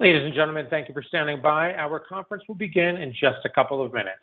Ladies and gentlemen, thank you for standing by. Our conference will begin in just a couple of minutes.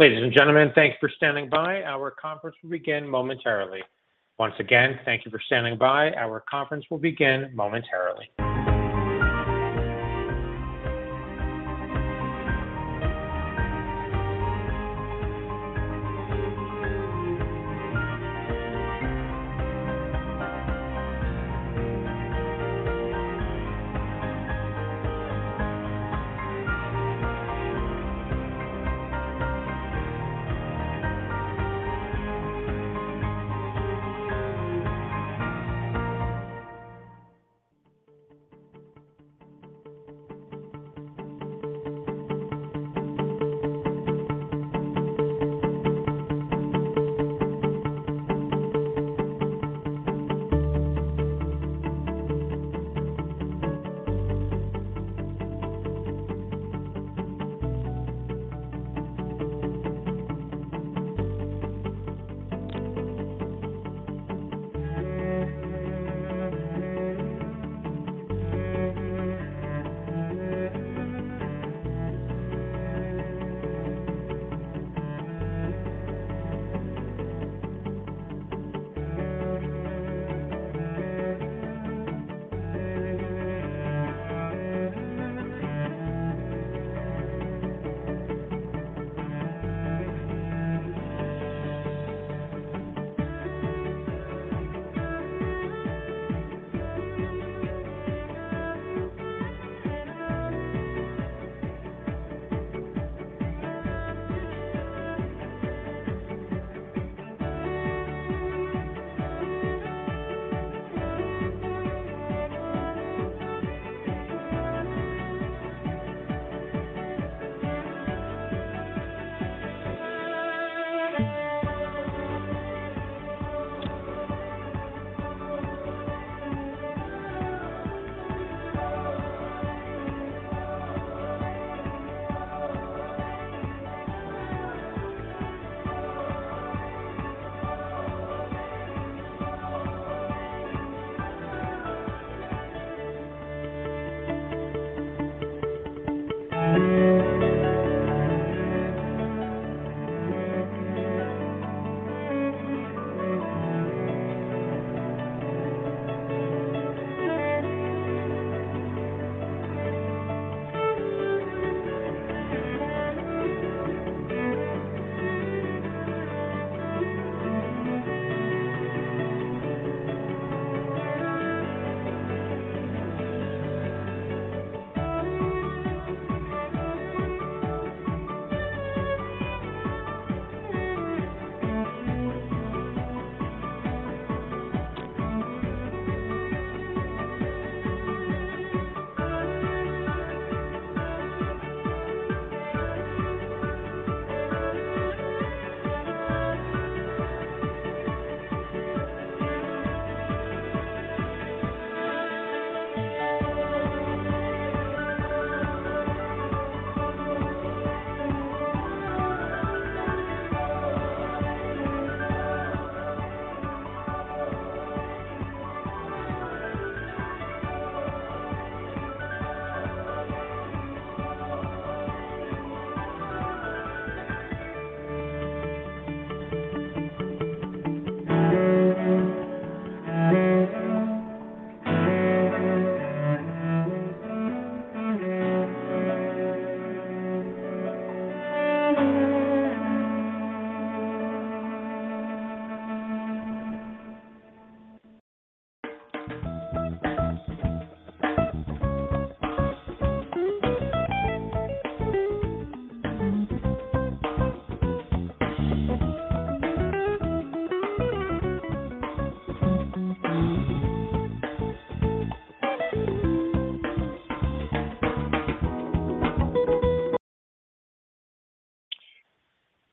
Ladies and gentlemen, thank you for standing by. Our conference will begin momentarily.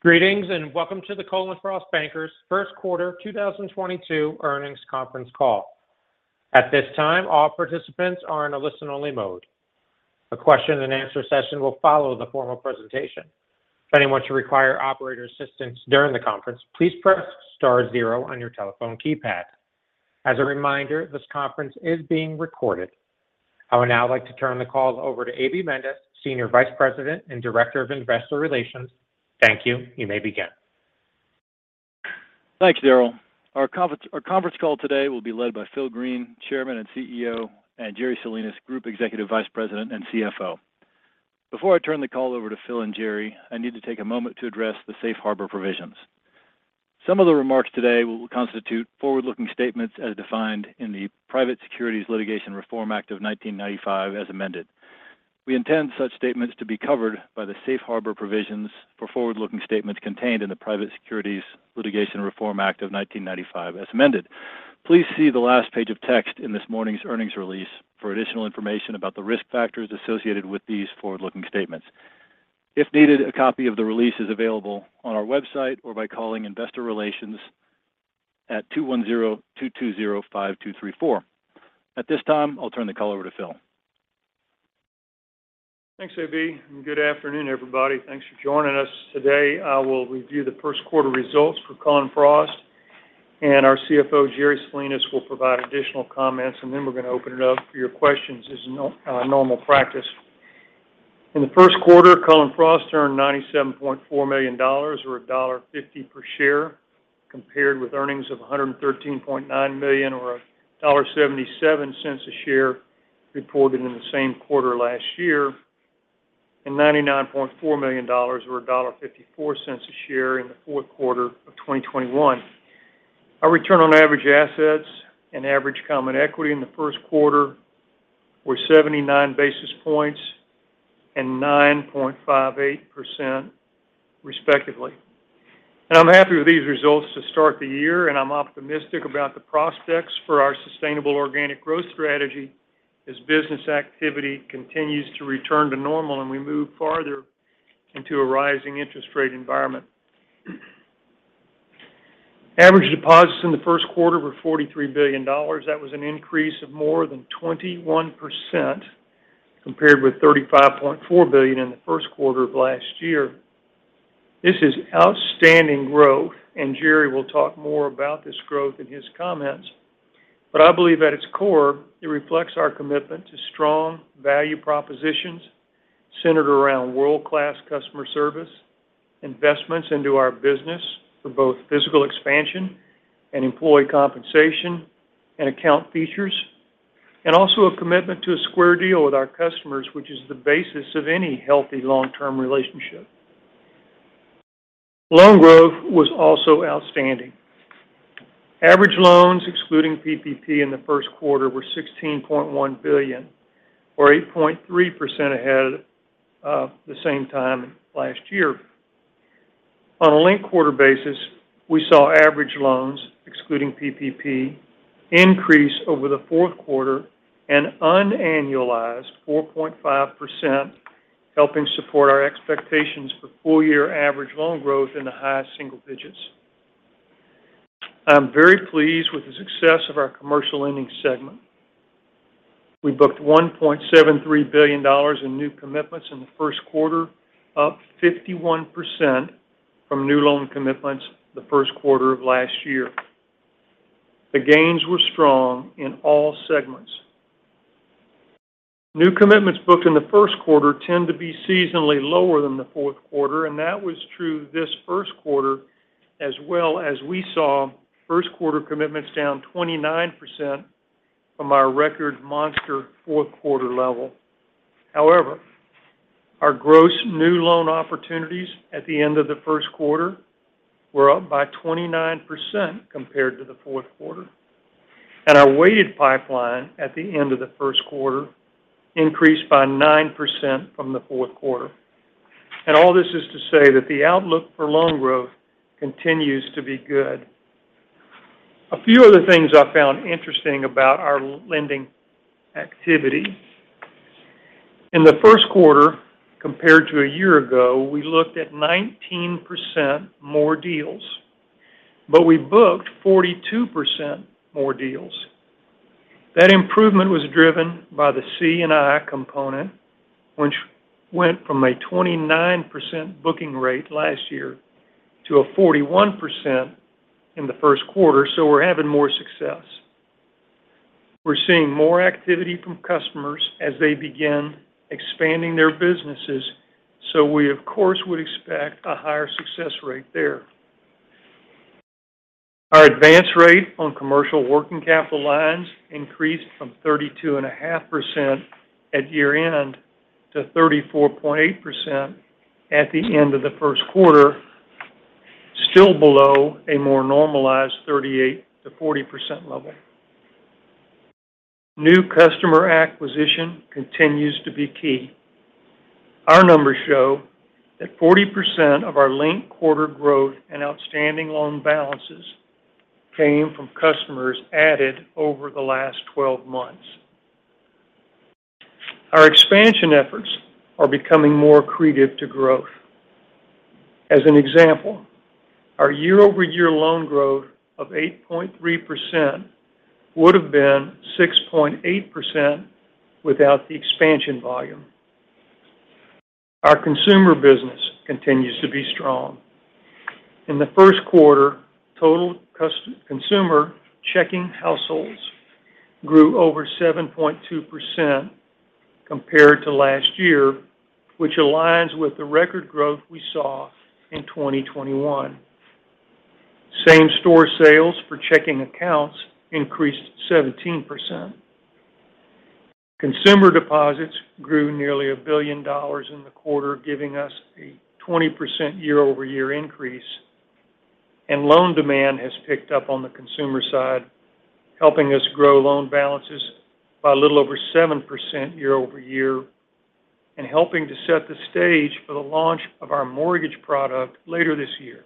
Greetings, and welcome to the Cullen/Frost Bankers first quarter 2022 earnings conference call. At this time, all participants are in a listen-only mode. A question and answer session will follow the formal presentation. If anyone should require operator assistance during the conference, please press star zero on your telephone keypad. As a reminder, this conference is being recorded. I would now like to turn the call over to A.B. Mendez, Senior Vice President and Director of Investor Relations. Thank you. You may begin. Thanks, Daryl. Our conference call today will be led by Phil Green, Chairman and CEO, and Jerry Salinas, Group Executive Vice President and CFO. Before I turn the call over to Phil and Jerry, I need to take a moment to address the safe harbor provisions. Some of the remarks today will constitute forward-looking statements as defined in the Private Securities Litigation Reform Act of 1995, as amended. We intend such statements to be covered by the safe harbor provisions for forward-looking statements contained in the Private Securities Litigation Reform Act of 1995, as amended. Please see the last page of text in this morning's earnings release for additional information about the risk factors associated with these forward-looking statements. If needed, a copy of the release is available on our website or by calling Investor Relations at (210) 220-5234. At this time, I'll turn the call over to Phil. Thanks, A.B., and good afternoon, everybody. Thanks for joining us today. I will review the first quarter results for Cullen/Frost and our CFO, Jerry Salinas, will provide additional comments, and then we're going to open it up for your questions as our normal practice. In the first quarter, Cullen/Frost earned $97.4 million or $1.50 per share, compared with earnings of $113.9 million or $1.77 per share reported in the same quarter last year and $99.4 million or $1.54 per share in the fourth quarter of 2021. Our return on average assets and average common equity in the first quarter were 79 basis points and 9.58% respectively. I'm happy with these results to start the year, and I'm optimistic about the prospects for our sustainable organic growth strategy as business activity continues to return to normal and we move farther into a rising interest rate environment. Average deposits in the first quarter were $43 billion. That was an increase of more than 21% compared with $35.4 billion in the first quarter of last year. This is outstanding growth, and Jerry will talk more about this growth in his comments. I believe at its core, it reflects our commitment to strong value propositions centered around world-class customer service, investments into our business for both physical expansion and employee compensation and account features, and also a commitment to a square deal with our customers, which is the basis of any healthy long-term relationship. Loan growth was also outstanding. Average loans, excluding PPP in the first quarter, were $16.1 billion or 8.3% ahead of the same time last year. On a linked quarter basis, we saw average loans, excluding PPP, increase over the fourth quarter and unannualized 4.5%, helping support our expectations for full year average loan growth in the highest single digits. I'm very pleased with the success of our commercial lending segment. We booked $1.73 billion in new commitments in the first quarter, up 51% from new loan commitments the first quarter of last year. The gains were strong in all segments. New commitments booked in the first quarter tend to be seasonally lower than the fourth quarter, and that was true this first quarter as well as we saw first quarter commitments down 29% from our record monster fourth quarter level. However, our gross new loan opportunities at the end of the first quarter were up by 29% compared to the fourth quarter. Our weighted pipeline at the end of the first quarter increased by 9% from the fourth quarter. All this is to say that the outlook for loan growth continues to be good. A few other things I found interesting about our lending activity. In the first quarter, compared to a year ago, we looked at 19% more deals, but we booked 42% more deals. That improvement was driven by the C&I component, which went from a 29% booking rate last year to a 41% in the first quarter, so we're having more success. We're seeing more activity from customers as they begin expanding their businesses, so we of course, would expect a higher success rate there. Our advance rate on commercial working capital lines increased from 32.5% at year-end to 34.8% at the end of the first quarter, still below a more normalized 38%-40% level. New customer acquisition continues to be key. Our numbers show that 40% of our linked quarter growth in outstanding loan balances came from customers added over the last 12 months. Our expansion efforts are becoming more accretive to growth. As an example, our year-over-year loan growth of 8.3% would have been 6.8% without the expansion volume. Our consumer business continues to be strong. In the first quarter, total consumer checking households grew over 7.2% compared to last year, which aligns with the record growth we saw in 2021. Same-store sales for checking accounts increased 17%. Consumer deposits grew nearly $1 billion in the quarter, giving us a 20% year-over-year increase, and loan demand has picked up on the consumer side, helping us grow loan balances by a little over 7% year-over-year and helping to set the stage for the launch of our mortgage product later this year.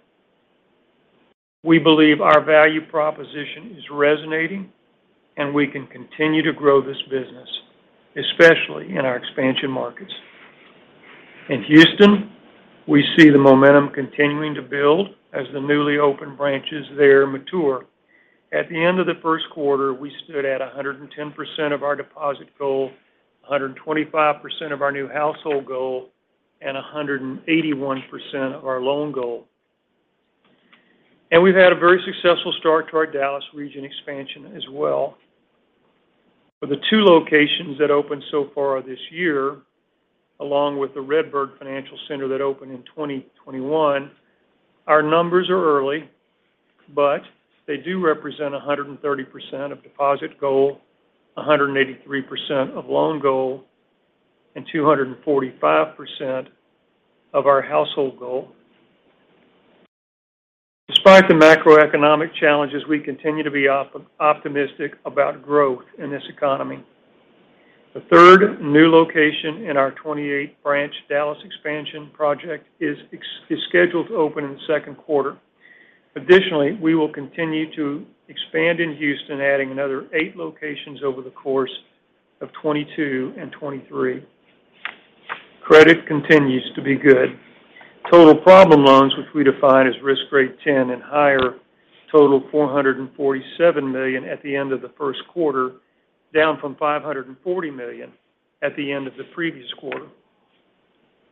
We believe our value proposition is resonating, and we can continue to grow this business, especially in our expansion markets. In Houston, we see the momentum continuing to build as the newly opened branches there mature. At the end of the first quarter, we stood at 110% of our deposit goal, 125% of our new household goal, and 181% of our loan goal. We've had a very successful start to our Dallas region expansion as well. For the two locations that opened so far this year, along with the Redbird Financial Center that opened in 2021, our numbers are early, but they do represent 130% of deposit goal, 183% of loan goal, and 245% of our household goal. Despite the macroeconomic challenges, we continue to be optimistic about growth in this economy. The third new location in our 28-branch Dallas expansion project is scheduled to open in the second quarter. Additionally, we will continue to expand in Houston, adding another eight locations over the course of 2022 and 2023. Credit continues to be good. Total problem loans, which we define as risk-rated 10 and higher, total $447 million at the end of the first quarter, down from $540 million at the end of the previous quarter.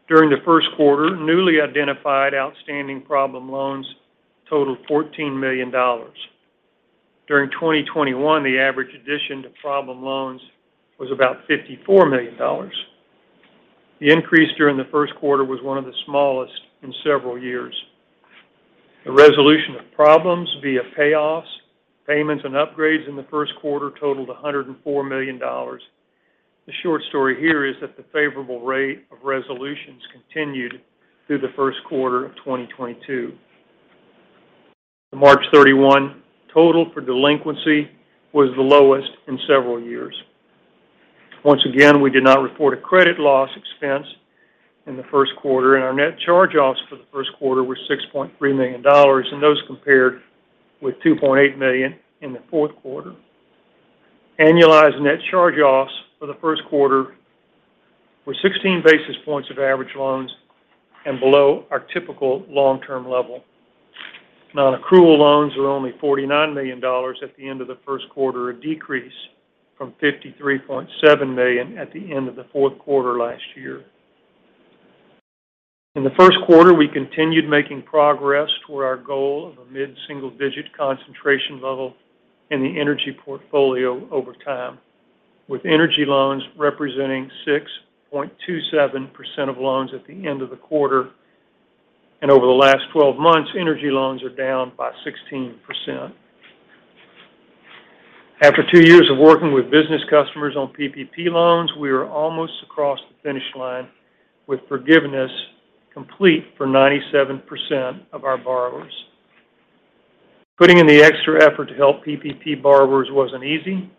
During the first quarter, newly identified outstanding problem loans totaled $14 million. During 2021, the average addition to problem loans was about $54 million. The increase during the first quarter was one of the smallest in several years. The resolution of problems via payoffs, payments, and upgrades in the first quarter totaled $104 million. The short story here is that the favorable rate of resolutions continued through the first quarter of 2022. The March 31 total for delinquency was the lowest in several years. Once again, we did not report a credit loss expense in the first quarter, and our net charge-offs for the first quarter were $6.3 million, and those compared with $2.8 million in the fourth quarter. Annualized net charge-offs for the first quarter. We're 16 basis points of average loans and below our typical long-term level. Non-accrual loans are only $49 million at the end of the first quarter, a decrease from $53.7 million at the end of the fourth quarter last year. In the first quarter, we continued making progress toward our goal of a mid-single digit concentration level in the energy portfolio over time, with energy loans representing 6.27% of loans at the end of the quarter. Over the last twelve months, energy loans are down by 16%. After two years of working with business customers on PPP loans, we are almost across the finish line with forgiveness complete for 97% of our borrowers. Putting in the extra effort to help PPP borrowers wasn't easy,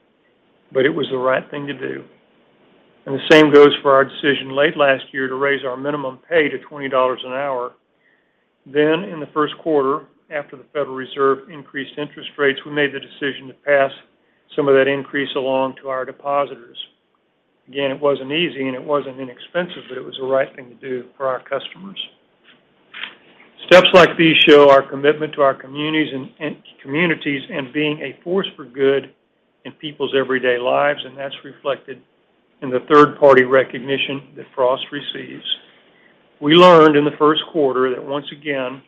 but it was the right thing to do. The same goes for our decision late last year to raise our minimum pay to $20 an hour. In the first quarter, after the Federal Reserve increased interest rates, we made the decision to pass some of that increase along to our depositors. Again, it wasn't easy and it wasn't inexpensive, but it was the right thing to do for our customers. Steps like these show our commitment to our communities and being a force for good in people's everyday lives, and that's reflected in the third-party recognition that Frost receives. We learned in the first quarter that once again,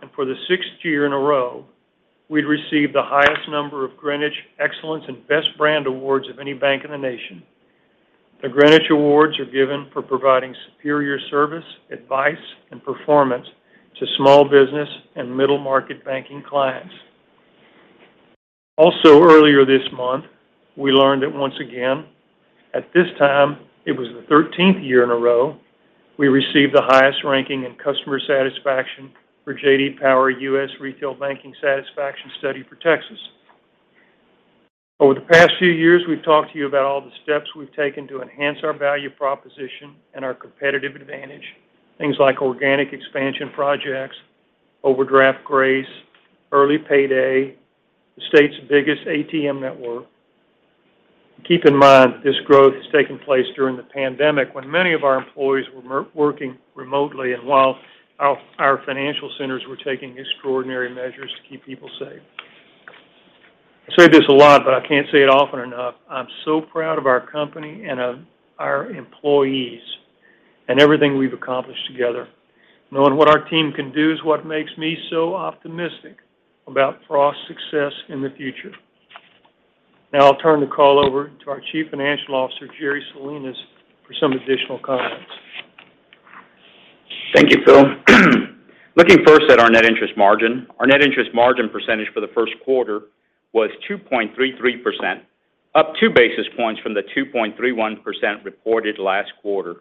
and for the sixth year in a row, we'd received the highest number of Greenwich Excellence and Best Brand Awards of any bank in the nation. The Greenwich Awards are given for providing superior service, advice, and performance to small business and middle market banking clients. Also earlier this month, we learned that once again, at this time it was the thirteenth year in a row, we received the highest ranking in customer satisfaction for J.D. Power U.S. Retail Banking Satisfaction Study for Texas. Over the past few years, we've talked to you about all the steps we've taken to enhance our value proposition and our competitive advantage. Things like organic expansion projects, Overdraft Grace, Early Payday, the state's biggest ATM network. Keep in mind, this growth has taken place during the pandemic when many of our employees were working remotely and while our financial centers were taking extraordinary measures to keep people safe. I say this a lot, but I can't say it often enough. I'm so proud of our company and of our employees and everything we've accomplished together. Knowing what our team can do is what makes me so optimistic about Frost's success in the future. Now I'll turn the call over to our Chief Financial Officer, Jerry Salinas, for some additional comments. Thank you, Phil. Looking first at our net interest margin. Our net interest margin percentage for the first quarter was 2.33%, up 2 basis points from the 2.31% reported last quarter.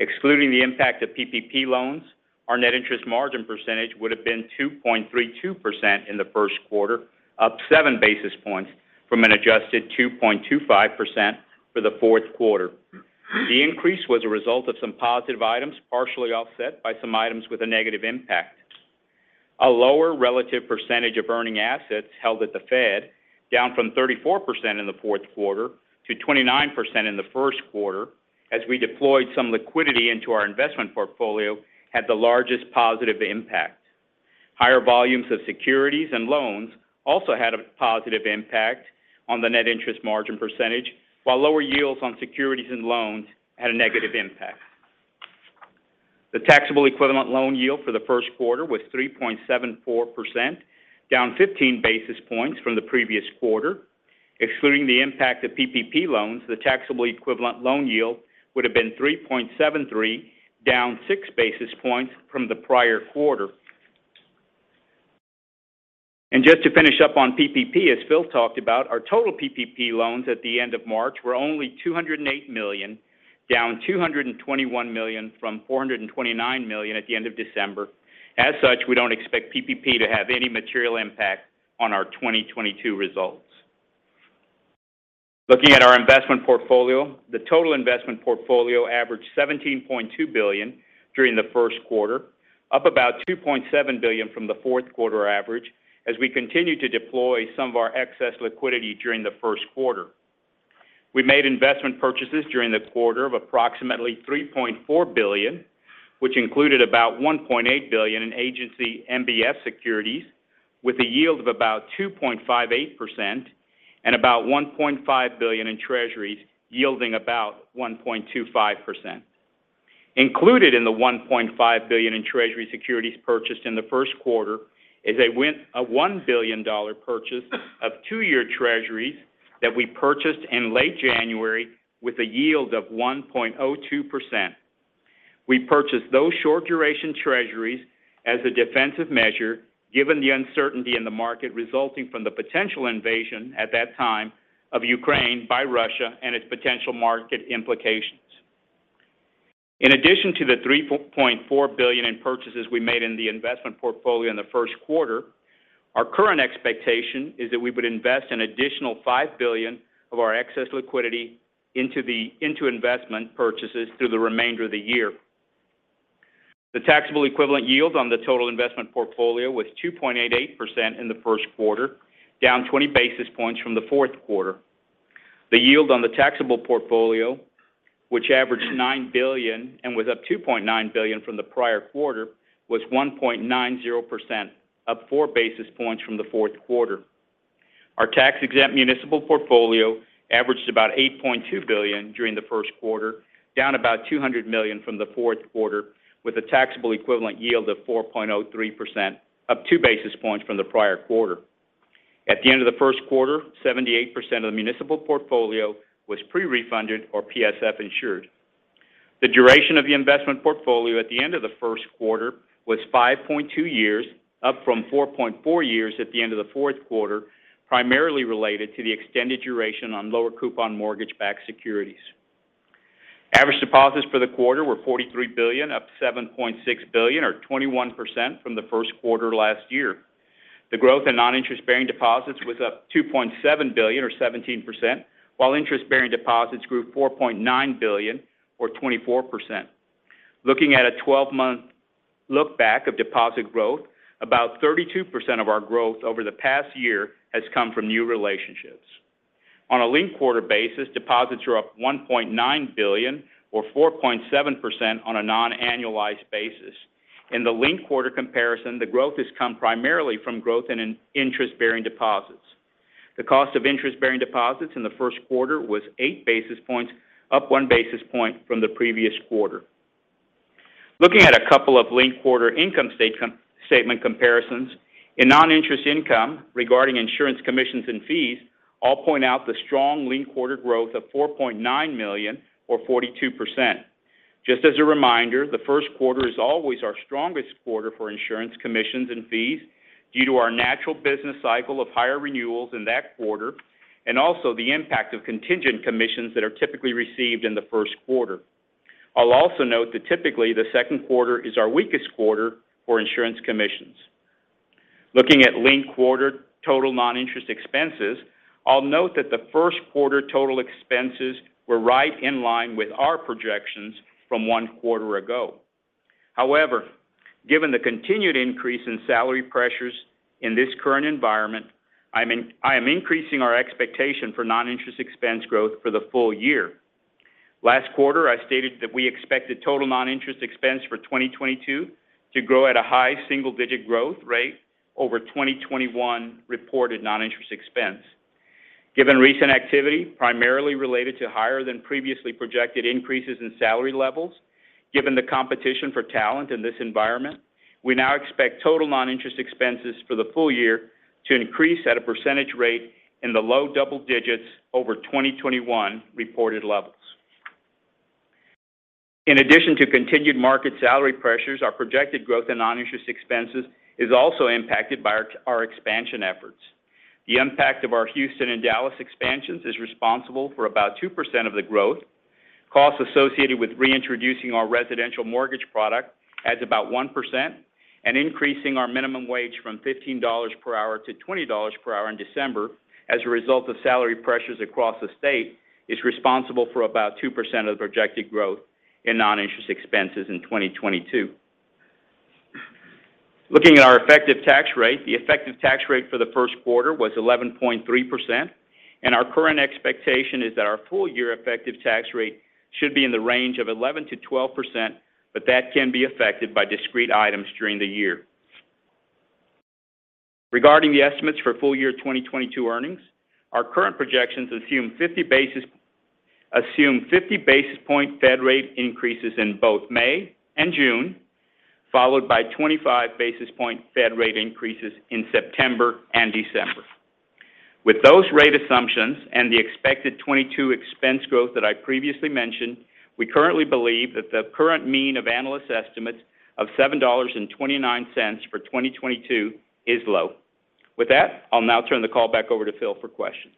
Excluding the impact of PPP loans, our net interest margin percentage would have been 2.32% in the first quarter, up 7 basis points from an adjusted 2.25% for the fourth quarter. The increase was a result of some positive items, partially offset by some items with a negative impact. A lower relative percentage of earning assets held at the Fed, down from 34% in the fourth quarter to 29% in the first quarter, as we deployed some liquidity into our investment portfolio, had the largest positive impact. Higher volumes of securities and loans also had a positive impact on the net interest margin percentage, while lower yields on securities and loans had a negative impact. The taxable equivalent loan yield for the first quarter was 3.74%, down 15 basis points from the previous quarter. Excluding the impact of PPP loans, the taxable equivalent loan yield would have been 3.73, down 6 basis points from the prior quarter. Just to finish up on PPP, as Phil talked about, our total PPP loans at the end of March were only $208 million, down $221 million from $429 million at the end of December. As such, we don't expect PPP to have any material impact on our 2022 results. Looking at our investment portfolio. The total investment portfolio averaged $17.2 billion during the first quarter, up about $2.7 billion from the fourth quarter average, as we continued to deploy some of our excess liquidity during the first quarter. We made investment purchases during the quarter of approximately $3.4 billion, which included about $1.8 billion in agency MBS securities with a yield of about 2.58% and about $1.5 billion in treasuries yielding about 1.25%. Included in the $1.5 billion in treasury securities purchased in the first quarter is a one billion dollar purchase of two-year treasuries that we purchased in late January with a yield of 1.02%. We purchased those short duration treasuries as a defensive measure, given the uncertainty in the market resulting from the potential invasion at that time of Ukraine by Russia and its potential market implications. In addition to the $3.4 billion in purchases we made in the investment portfolio in the first quarter, our current expectation is that we would invest an additional $5 billion of our excess liquidity into investment purchases through the remainder of the year. The taxable equivalent yield on the total investment portfolio was 2.88% in the first quarter, down 20 basis points from the fourth quarter. The yield on the taxable portfolio, which averaged $9 billion and was up $2.9 billion from the prior quarter, was 1.90%, up 4 basis points from the fourth quarter. Our tax-exempt municipal portfolio averaged about $8.2 billion during the first quarter, down about $200 million from the fourth quarter, with a taxable equivalent yield of 4.03%, up 2 basis points from the prior quarter. At the end of the first quarter, 78% of the municipal portfolio was pre-refunded or PSF insured. The duration of the investment portfolio at the end of the first quarter was 5.2 years, up from 4.4 years at the end of the fourth quarter, primarily related to the extended duration on lower coupon mortgage-backed securities. Average deposits for the quarter were $43 billion, up $7.6 billion or 21% from the first quarter last year. The growth in non-interest-bearing deposits was up $2.7 billion or 17%, while interest-bearing deposits grew $4.9 billion or 24%. Looking at a 12-month look-back of deposit growth, about 32% of our growth over the past year has come from new relationships. On a linked quarter basis, deposits are up $1.9 billion or 4.7% on a non-annualized basis. In the linked quarter comparison, the growth has come primarily from growth in interest-bearing deposits. The cost of interest-bearing deposits in the first quarter was 8 basis points up 1 basis point from the previous quarter. Looking at a couple of linked quarter income statement comparisons, in non-interest income regarding insurance commissions and fees, I'll point out the strong linked quarter growth of $4.9 million or 42%. Just as a reminder, the first quarter is always our strongest quarter for insurance commissions and fees due to our natural business cycle of higher renewals in that quarter, and also the impact of contingent commissions that are typically received in the first quarter. I'll also note that typically the second quarter is our weakest quarter for insurance commissions. Looking at linked quarter total non-interest expenses, I'll note that the first quarter total expenses were right in line with our projections from one quarter ago. However, given the continued increase in salary pressures in this current environment, I am increasing our expectation for non-interest expense growth for the full year. Last quarter, I stated that we expected total non-interest expense for 2022 to grow at a high single-digit growth rate over 2021 reported non-interest expense. Given recent activity, primarily related to higher than previously projected increases in salary levels, given the competition for talent in this environment, we now expect total non-interest expenses for the full year to increase at a percentage rate in the low double digits over 2021 reported levels. In addition to continued market salary pressures, our projected growth in non-interest expenses is also impacted by our expansion efforts. The impact of our Houston and Dallas expansions is responsible for about 2% of the growth. Costs associated with reintroducing our residential mortgage product adds about 1%. Increasing our minimum wage from $15 per hour to $20 per hour in December as a result of salary pressures across the state is responsible for about 2% of the projected growth in non-interest expenses in 2022. Looking at our effective tax rate, the effective tax rate for the first quarter was 11.3%, and our current expectation is that our full year effective tax rate should be in the range of 11%-12%, but that can be affected by discrete items during the year. Regarding the estimates for full year 2022 earnings, our current projections assume 50 basis point Fed rate increases in both May and June, followed by 25 basis point Fed rate increases in September and December. With those rate assumptions and the expected 2022 expense growth that I previously mentioned, we currently believe that the current mean of analyst estimates of $7.29 for 2022 is low. With that, I'll now turn the call back over to Phil for questions.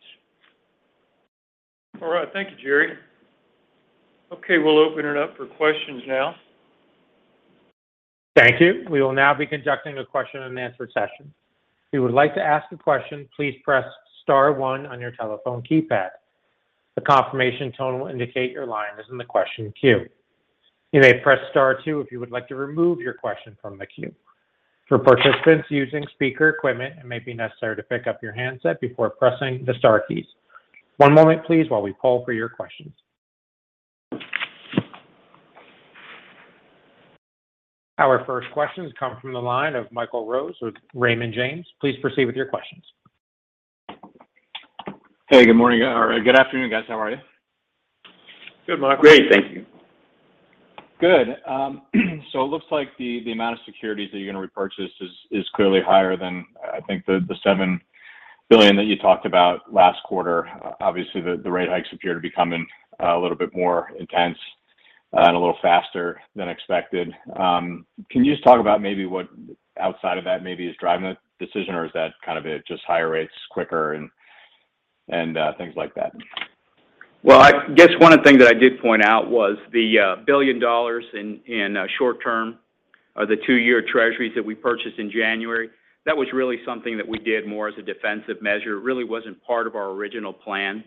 All right. Thank you, Jerry. Okay, we'll open it up for questions now. Thank you. We will now be conducting a question and answer session. If you would like to ask a question, please press star one on your telephone keypad. The confirmation tone will indicate your line is in the question queue. You may press star two if you would like to remove your question from the queue. For participants using speaker equipment, it may be necessary to pick up your handset before pressing the star keys. One moment please while we poll for your questions. Our first question comes from the line of Michael Rose with Raymond James. Please proceed with your questions. Hey, good morning. Or good afternoon, guys. How are you? Good, Michael. Great, thank you. Good. It looks like the amount of securities that you're going to repurchase is clearly higher than I think the $7 billion that you talked about last quarter. Obviously, the rate hikes appear to be coming a little bit more intense and a little faster than expected. Can you just talk about maybe what outside of that maybe is driving the decision or is that kind of just higher rates quicker and things like that? Well, I guess one of the things that I did point out was the $1 billion in short-term or the two-year treasuries that we purchased in January. That was really something that we did more as a defensive measure. It really wasn't part of our original plan.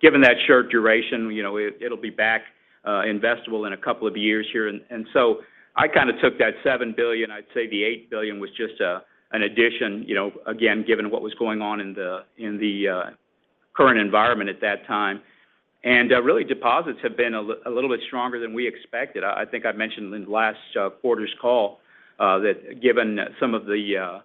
Given that short duration, you know, it'll be back investable in a couple of years here. So I kind of took that $7 billion. I'd say the $8 billion was just an addition, you know, again, given what was going on in the current environment at that time. Really, deposits have been a little bit stronger than we expected. I think I mentioned in last quarter's call that given some of the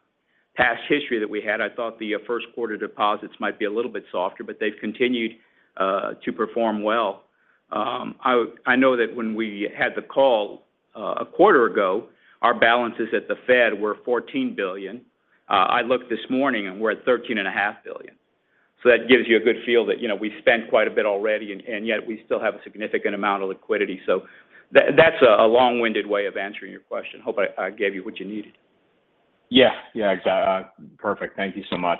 past history that we had, I thought the first quarter deposits might be a little bit softer, but they've continued to perform well. I know that when we had the call a quarter ago, our balances at the Fed were $14 billion. I looked this morning, and we're at $13.5 billion. So that gives you a good feel that, you know, we've spent quite a bit already, and yet we still have a significant amount of liquidity. So that's a long-winded way of answering your question. I hope I gave you what you needed. Yeah. Yeah, exact, perfect. Thank you so much.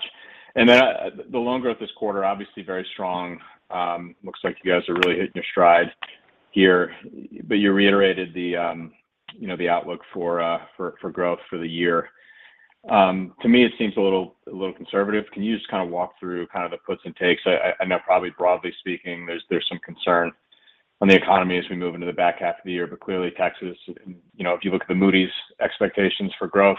The loan growth this quarter, obviously very strong. Looks like you guys are really hitting your stride here, but you reiterated the outlook for growth for the year. To me, it seems a little conservative. Can you just kind of walk through kind of the puts and takes? I know probably broadly speaking, there's some concern on the economy as we move into the back half of the year, but clearly Texas, you know, if you look at the Moody's expectations for growth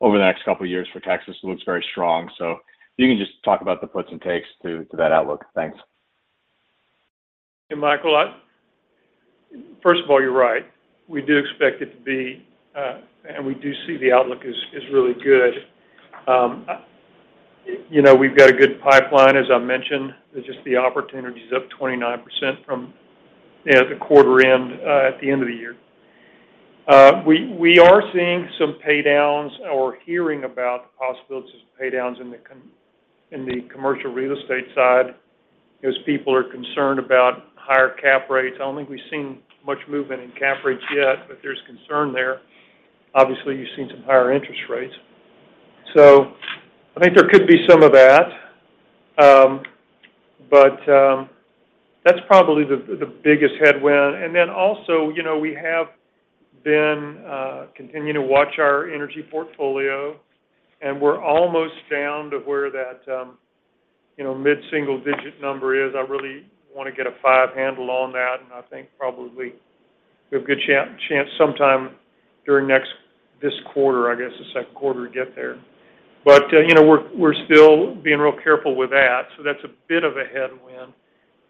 over the next couple of years for Texas, it looks very strong. If you can just talk about the puts and takes to that outlook. Thanks. Hey, Michael. First of all, you're right. We do expect it to be, and we do see the outlook is really good. You know, we've got a good pipeline, as I mentioned. It's just the opportunity is up 29% from, you know, the quarter end at the end of the year. We are seeing some pay downs or hearing about the possibilities of pay downs in the commercial real estate side as people are concerned about higher cap rates. I don't think we've seen much movement in cap rates yet, but there's concern there. Obviously, you've seen some higher interest rates. I think there could be some of that. That's probably the biggest headwind. You know, we have been continuing to watch our energy portfolio, and we're almost down to where that mid-single digit number is. I really wanna get a five handle on that, and I think probably we have a good chance sometime during this quarter, I guess, the second quarter to get there. You know, we're still being real careful with that, so that's a bit of a headwind.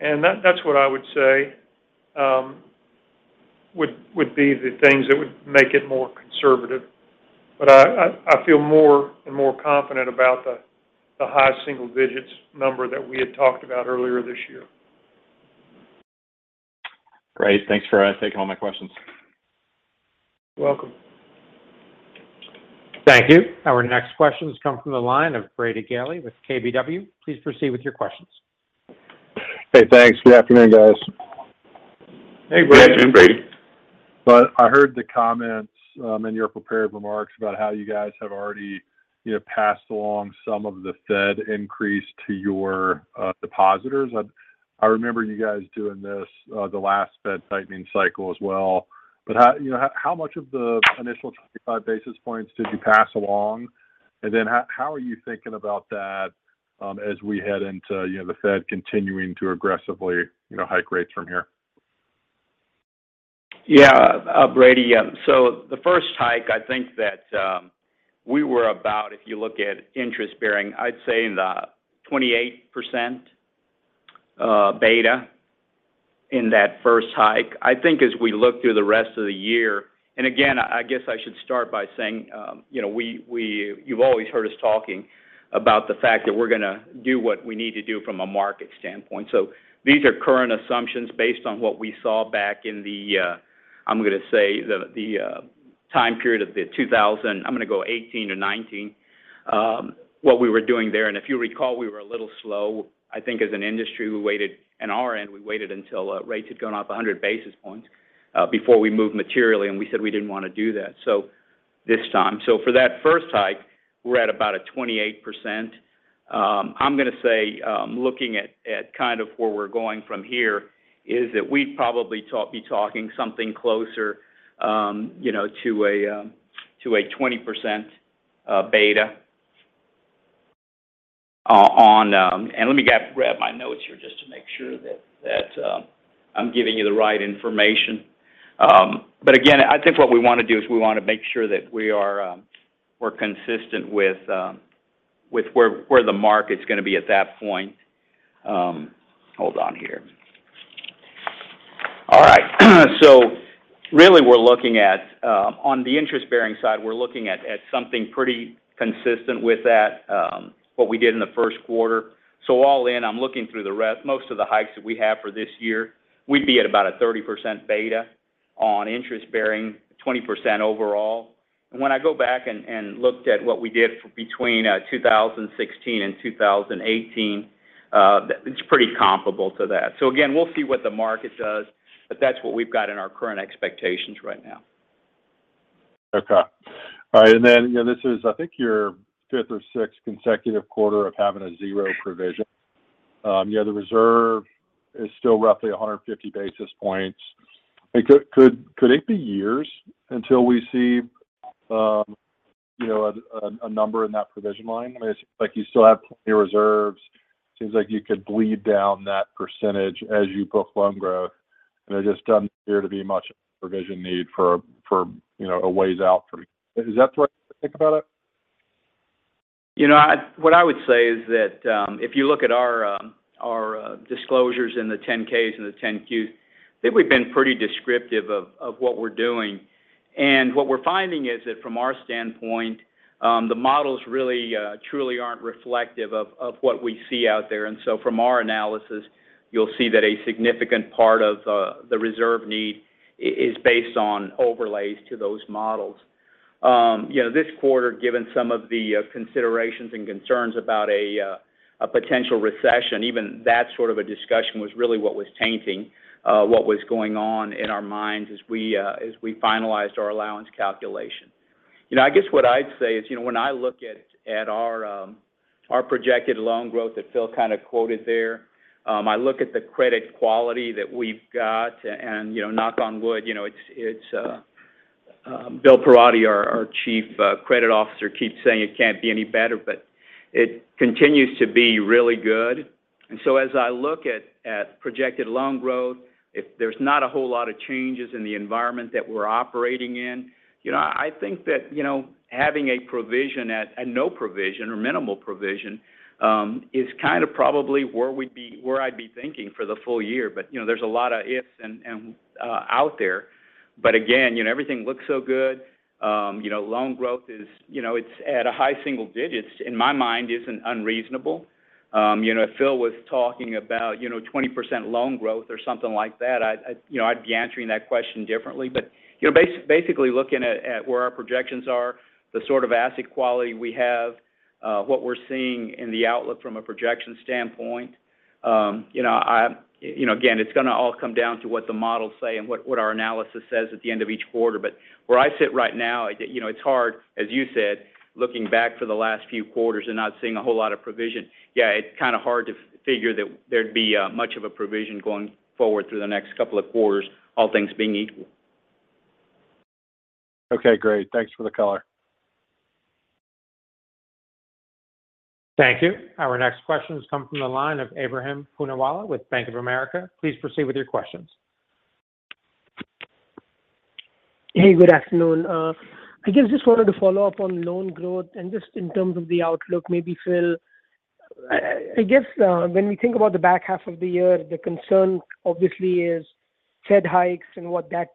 That's what I would say would be the things that would make it more conservative. I feel more and more confident about the high single digits number that we had talked about earlier this year. Great. Thanks for taking all my questions. You're welcome. Thank you. Our next question has come from the line of Brady Gailey with KBW. Please proceed with your questions. Hey, thanks. Good afternoon, guys. Hey, Brady. Afternoon, Brady. Well, I heard the comments in your prepared remarks about how you guys have already, you know, passed along some of the Fed increase to your depositors. I remember you guys doing this the last Fed tightening cycle as well. How, you know, how much of the initial 25 basis points did you pass along? Then how are you thinking about that as we head into, you know, the Fed continuing to aggressively, you know, hike rates from here? Yeah. Brady Gailey, so the first hike, I think that we were about, if you look at interest bearing, I'd say in the 28% beta in that first hike. I think as we look through the rest of the year. Again, I guess I should start by saying, you know, you've always heard us talking about the fact that we're gonna do what we need to do from a market standpoint. So these are current assumptions based on what we saw back in the, I'm gonna say, the time period of the 2000s, 2018 or 2019, what we were doing there. If you recall, we were a little slow. I think as an industry, on our end we waited until rates had gone up 100 basis points before we moved materially, and we said we didn't want to do that this time. For that first hike, we're at about 28%. I'm going to say, looking at kind of where we're going from here is that we'd probably be talking something closer, you know, to a 20% beta on. Let me grab my notes here just to make sure that I'm giving you the right information. Again, I think what we want to do is we want to make sure that we are, we're consistent with where the market's going to be at that point. Hold on here. All right. Really we're looking at, on the interest bearing side, we're looking at something pretty consistent with that, what we did in the first quarter. All in, I'm looking through most of the hikes that we have for this year, we'd be at about a 30% beta on interest bearing, 20% overall. When I go back and looked at what we did between 2016 and 2018, it's pretty comparable to that. Again, we'll see what the market does, but that's what we've got in our current expectations right now. Okay. All right. You know, this is I think your fifth or sixth consecutive quarter of having a zero provision. You know, the reserve is still roughly 150 basis points. Could it be years until we see, you know, a number in that provision line? I mean, it's like you still have plenty of reserves. It seems like you could bleed down that percentage as you book loan growth. There just doesn't appear to be much provision need for, you know, a ways out for me. Is that the way to think about it? You know, what I would say is that, if you look at our disclosures in the 10-Ks and the 10-Qs, I think we've been pretty descriptive of what we're doing. What we're finding is that from our standpoint, the models really truly aren't reflective of what we see out there. From our analysis, you'll see that a significant part of the reserve need is based on overlays to those models. You know, this quarter, given some of the considerations and concerns about a potential recession, even that sort of a discussion was really what was tainting what was going on in our minds as we finalized our allowance calculation. You know, I guess what I'd say is, you know, when I look at our projected loan growth that Phil kind of quoted there, I look at the credit quality that we've got and, you know, knock on wood, you know, it's Howard Perotti, our Chief Credit Officer keeps saying it can't be any better, but it continues to be really good. As I look at projected loan growth, if there's not a whole lot of changes in the environment that we're operating in, you know, I think that, you know, having a provision at a no provision or minimal provision is kind of probably where I'd be thinking for the full year. You know, there's a lot of ifs and out there. Again, you know, everything looks so good. You know, loan growth is, you know, it's at a high single digits. In my mind, isn't unreasonable. You know, if Phil was talking about, you know, 20% loan growth or something like that, I'd, you know, I'd be answering that question differently. You know, basically looking at where our projections are, the sort of asset quality we have, what we're seeing in the outlook from a projection standpoint, you know, I'm, you know, again, it's gonna all come down to what the models say and what our analysis says at the end of each quarter. Where I sit right now, you know, it's hard, as you said, looking back for the last few quarters and not seeing a whole lot of provision. Yeah, it's kind of hard to figure that there'd be much of a provision going forward through the next couple of quarters, all things being equal. Okay, great. Thanks for the color. Thank you. Our next question has come from the line of Ebrahim Poonawala with Bank of America. Please proceed with your questions. Hey, good afternoon. I guess just wanted to follow up on loan growth and just in terms of the outlook, maybe Phil. I guess, when we think about the back half of the year, the concern obviously is Fed hikes and what that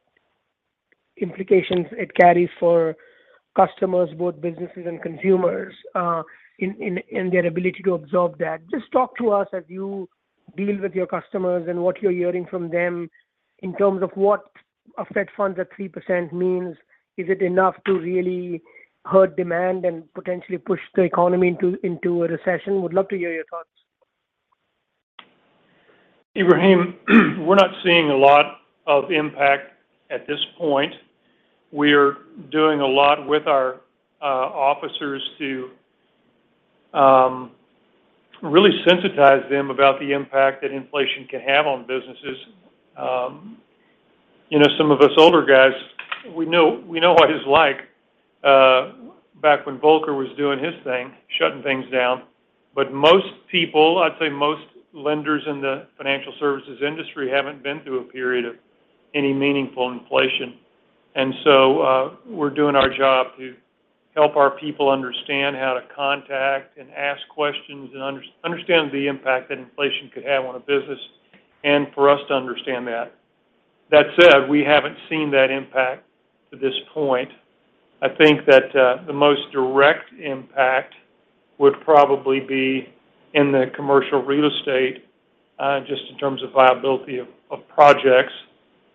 implications it carries for customers, both businesses and consumers, in their ability to absorb that. Just talk to us as you deal with your customers and what you're hearing from them in terms of what a fed funds at 3% means. Is it enough to really hurt demand and potentially push the economy into a recession? Would love to hear your thoughts. Ebrahim, we're not seeing a lot of impact at this point. We're doing a lot with our officers to really sensitize them about the impact that inflation can have on businesses. You know, some of us older guys, we know what it's like back when Volcker was doing his thing, shutting things down. Most people, I'd say most lenders in the financial services industry, haven't been through a period of any meaningful inflation. We're doing our job to help our people understand how to contact and ask questions and understand the impact that inflation could have on a business and for us to understand that. That said, we haven't seen that impact to this point. I think that the most direct impact would probably be in the commercial real estate just in terms of viability of projects.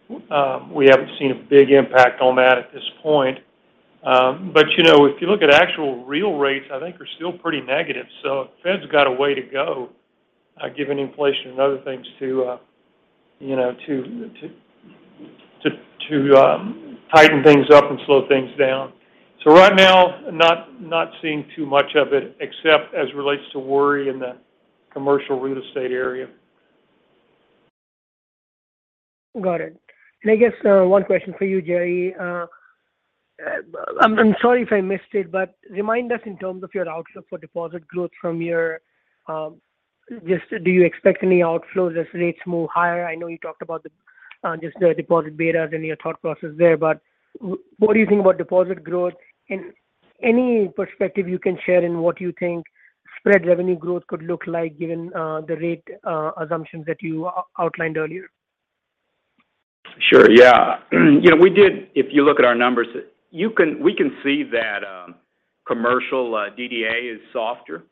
We haven't seen a big impact on that at this point. You know, if you look at actual real rates, I think are still pretty negative. Fed's got a way to go, given inflation and other things to you know to tighten things up and slow things down. Right now, not seeing too much of it except as it relates to worry in the commercial real estate area. Got it. I guess one question for you, Jerry. I'm sorry if I missed it, but remind us in terms of your outlook for deposit growth from your just do you expect any outflows as rates move higher? I know you talked about the deposit betas and your thought process there, but what do you think about deposit growth? Any perspective you can share in what you think spread revenue growth could look like given the rate assumptions that you outlined earlier? Sure, yeah. You know, if you look at our numbers, we can see that commercial DDA is softer.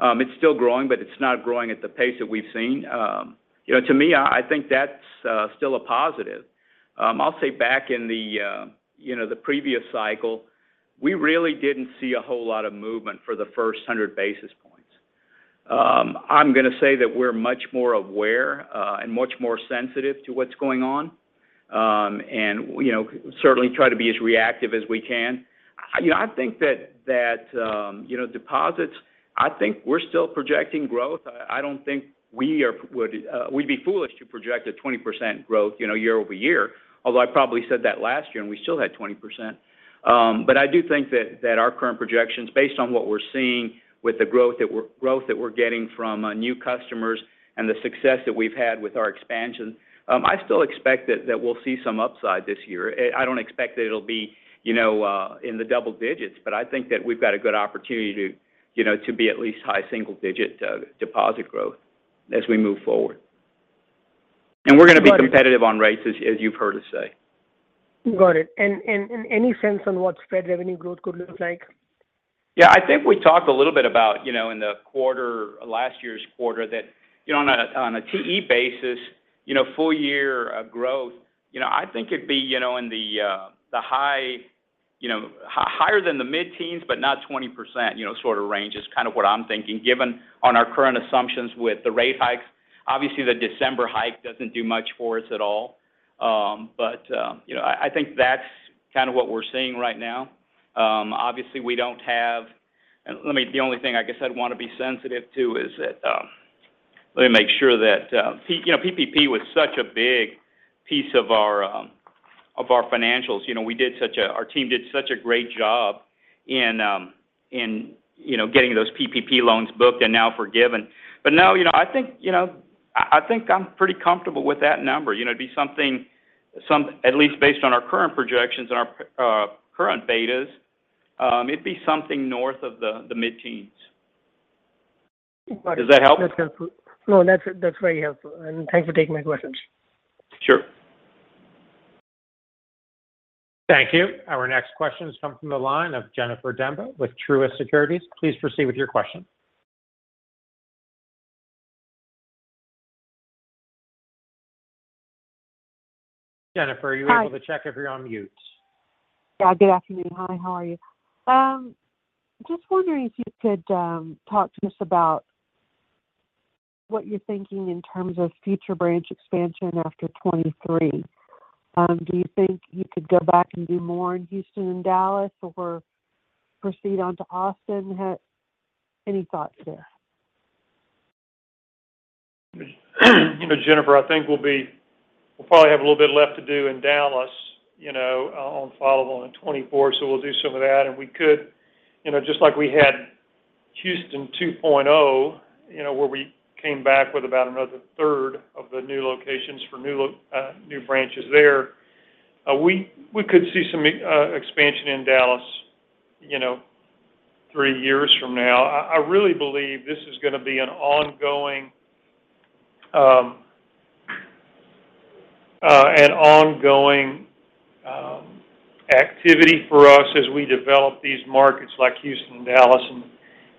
It's still growing, but it's not growing at the pace that we've seen. You know, to me, I think that's still a positive. I'll say back in the previous cycle, we really didn't see a whole lot of movement for the first hundred basis points. I'm gonna say that we're much more aware and much more sensitive to what's going on. You know, certainly try to be as reactive as we can. I think that you know, deposits. I think we're still projecting growth. I don't think we would be foolish to project a 20% growth, you know, year-over-year, although I probably said that last year, and we still had 20%. But I do think that our current projections, based on what we're seeing with the growth that we're getting from new customers and the success that we've had with our expansion, I still expect that we'll see some upside this year. I don't expect that it'll be you know in the double digits, but I think that we've got a good opportunity to you know to be at least high single digit deposit growth as we move forward. Got it. We're gonna be competitive on rates as you've heard us say. Got it. Any sense on what spread revenue growth could look like? Yeah. I think we talked a little bit about, you know, in the quarter, last year's quarter that, you know, on a TE basis, you know, full year growth, you know, I think it'd be, you know, in the higher than the mid-teens but not 20%, you know, sort of range is kind of what I'm thinking given our current assumptions with the rate hikes. Obviously, the December hike doesn't do much for us at all. You know, I think that's kind of what we're seeing right now. Obviously, we don't have. The only thing I guess I'd wanna be sensitive to is that PPP was such a big piece of our financials. You know, our team did such a great job in getting those PPP loans booked and now forgiven. No, you know, I think, you know, I think I'm pretty comfortable with that number. You know, it'd be something. At least based on our current projections and our current betas, it'd be something north of the mid-teens. Got it. Does that help? That's helpful. No, that's very helpful. Thanks for taking my questions. Sure. Thank you. Our next question has come from the line of Jennifer Demba with Truist Securities. Please proceed with your question. Jennifer. Hi. Are you able to check if you're on mute? Yeah. Good afternoon. Hi, how are you? Just wondering if you could talk to us about what you're thinking in terms of future branch expansion after 2023. Do you think you could go back and do more in Houston and Dallas or proceed on to Austin? Any thoughts there? You know, Jennifer, I think we'll probably have a little bit left to do in Dallas, you know, on footprint in 2024, so we'll do some of that. We could, you know, just like we had Houston 2.0, you know, where we came back with about another third of the new locations for new branches there, we could see some expansion in Dallas, you know, three years from now. I really believe this is gonna be an ongoing activity for us as we develop these markets like Houston and Dallas.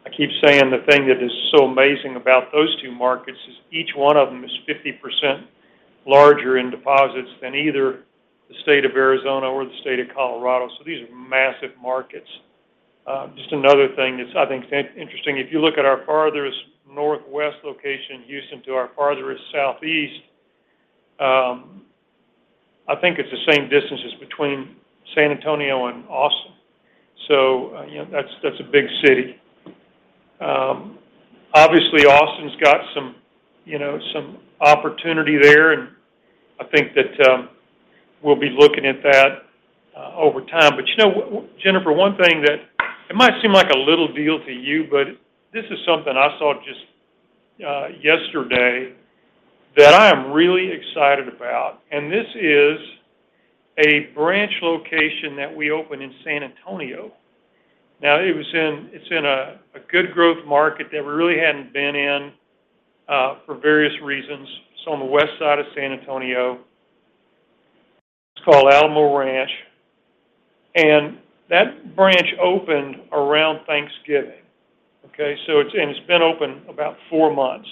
I keep saying the thing that is so amazing about those two markets is each one of them is 50% larger in deposits than either the state of Arizona or the state of Colorado. These are massive markets. Just another thing that's, I think, interesting. If you look at our farthest northwest location, Houston, to our farthest southeast, I think it's the same distance as between San Antonio and Austin. You know, that's a big city. Obviously, Austin's got some, you know, some opportunity there, and I think that we'll be looking at that over time. But you know what, Jennifer, one thing that it might seem like a little deal to you, but this is something I saw just yesterday that I am really excited about, and this is a branch location that we opened in San Antonio. It's in a good growth market that we really hadn't been in for various reasons. It's on the west side of San Antonio. It's called Alamo Ranch. That branch opened around Thanksgiving, okay? It's been open about four months.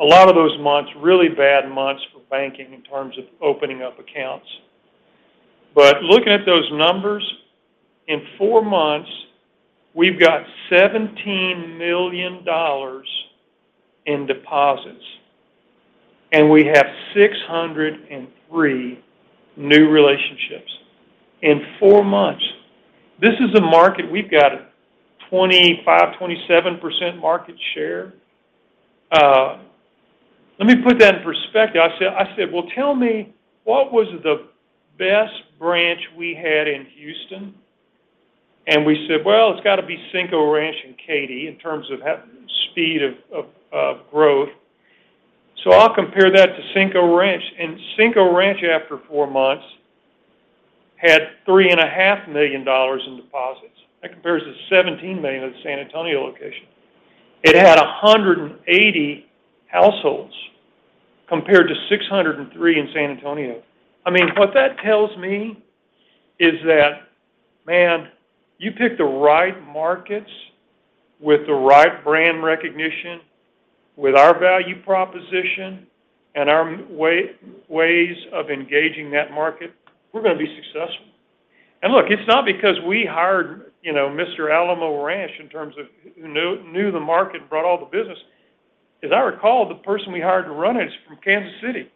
A lot of those months, really bad months for banking in terms of opening up accounts. Looking at those numbers, in four months, we've got $17 million in deposits, and we have 603 new relationships in four months. This is a market, we've got a 25%-27% market share. Let me put that in perspective. I said, "Well, tell me, what was the best branch we had in Houston?" We said, "Well, it's got to be Cinco Ranch and Katy in terms of speed of growth." I'll compare that to Cinco Ranch, and Cinco Ranch, after four months, had three and a half million dollars in deposits. That compares to $17 million at the San Antonio location. It had 180 households compared to 603 in San Antonio. I mean, what that tells me is that, man, you pick the right markets with the right brand recognition, with our value proposition and our ways of engaging that market, we're gonna be successful. Look, it's not because we hired, you know, Mr. Alamo Ranch in terms of who knew the market and brought all the business. As I recall, the person we hired to run it is from Kansas City.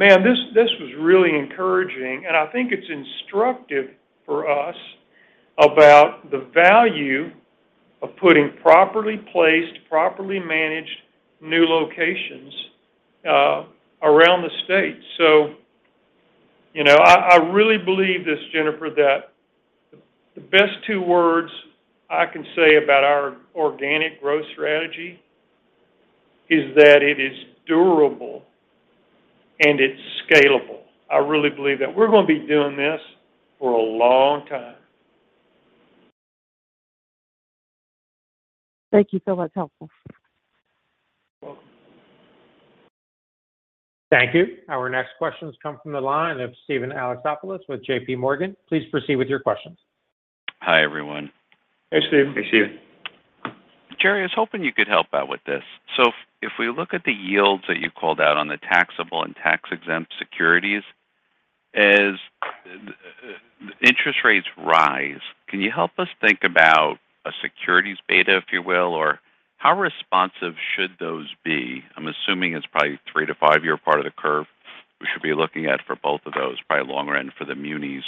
Man, this was really encouraging, and I think it's instructive for us about the value of putting properly placed, properly managed new locations around the state. You know, I really believe this, Jennifer, that the best two words I can say about our organic growth strategy is that it is durable and it's scalable. I really believe that. We're gonna be doing this for a long time. Thank you. That's helpful. You're welcome. Thank you. Our next questions come from the line of Steven Alexopoulos with JPMorgan. Please proceed with your questions. Hi, everyone. Hey, Steve. Hey, Steve. Jerry, I was hoping you could help out with this. If we look at the yields that you called out on the taxable and tax-exempt securities, as the interest rates rise, can you help us think about a securities beta, if you will, or how responsive should those be? I'm assuming it's probably three to five-year part of the curve we should be looking at for both of those, probably longer end for the munis.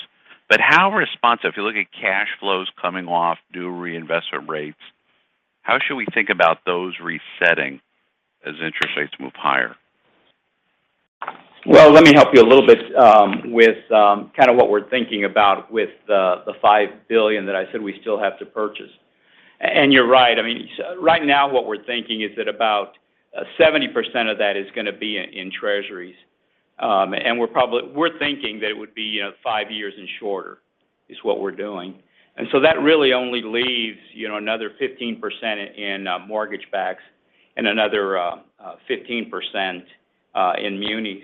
If you look at cash flows coming off, new reinvestment rates, how should we think about those resetting as interest rates move higher? Well, let me help you a little bit with kind of what we're thinking about with the $5 billion that I said we still have to purchase. You're right. I mean, right now what we're thinking is that about 70% of that is gonna be in Treasuries. We're thinking that it would be, you know, five years and shorter is what we're doing. That really only leaves, you know, another 15% in mortgage backs and another 15% in munis.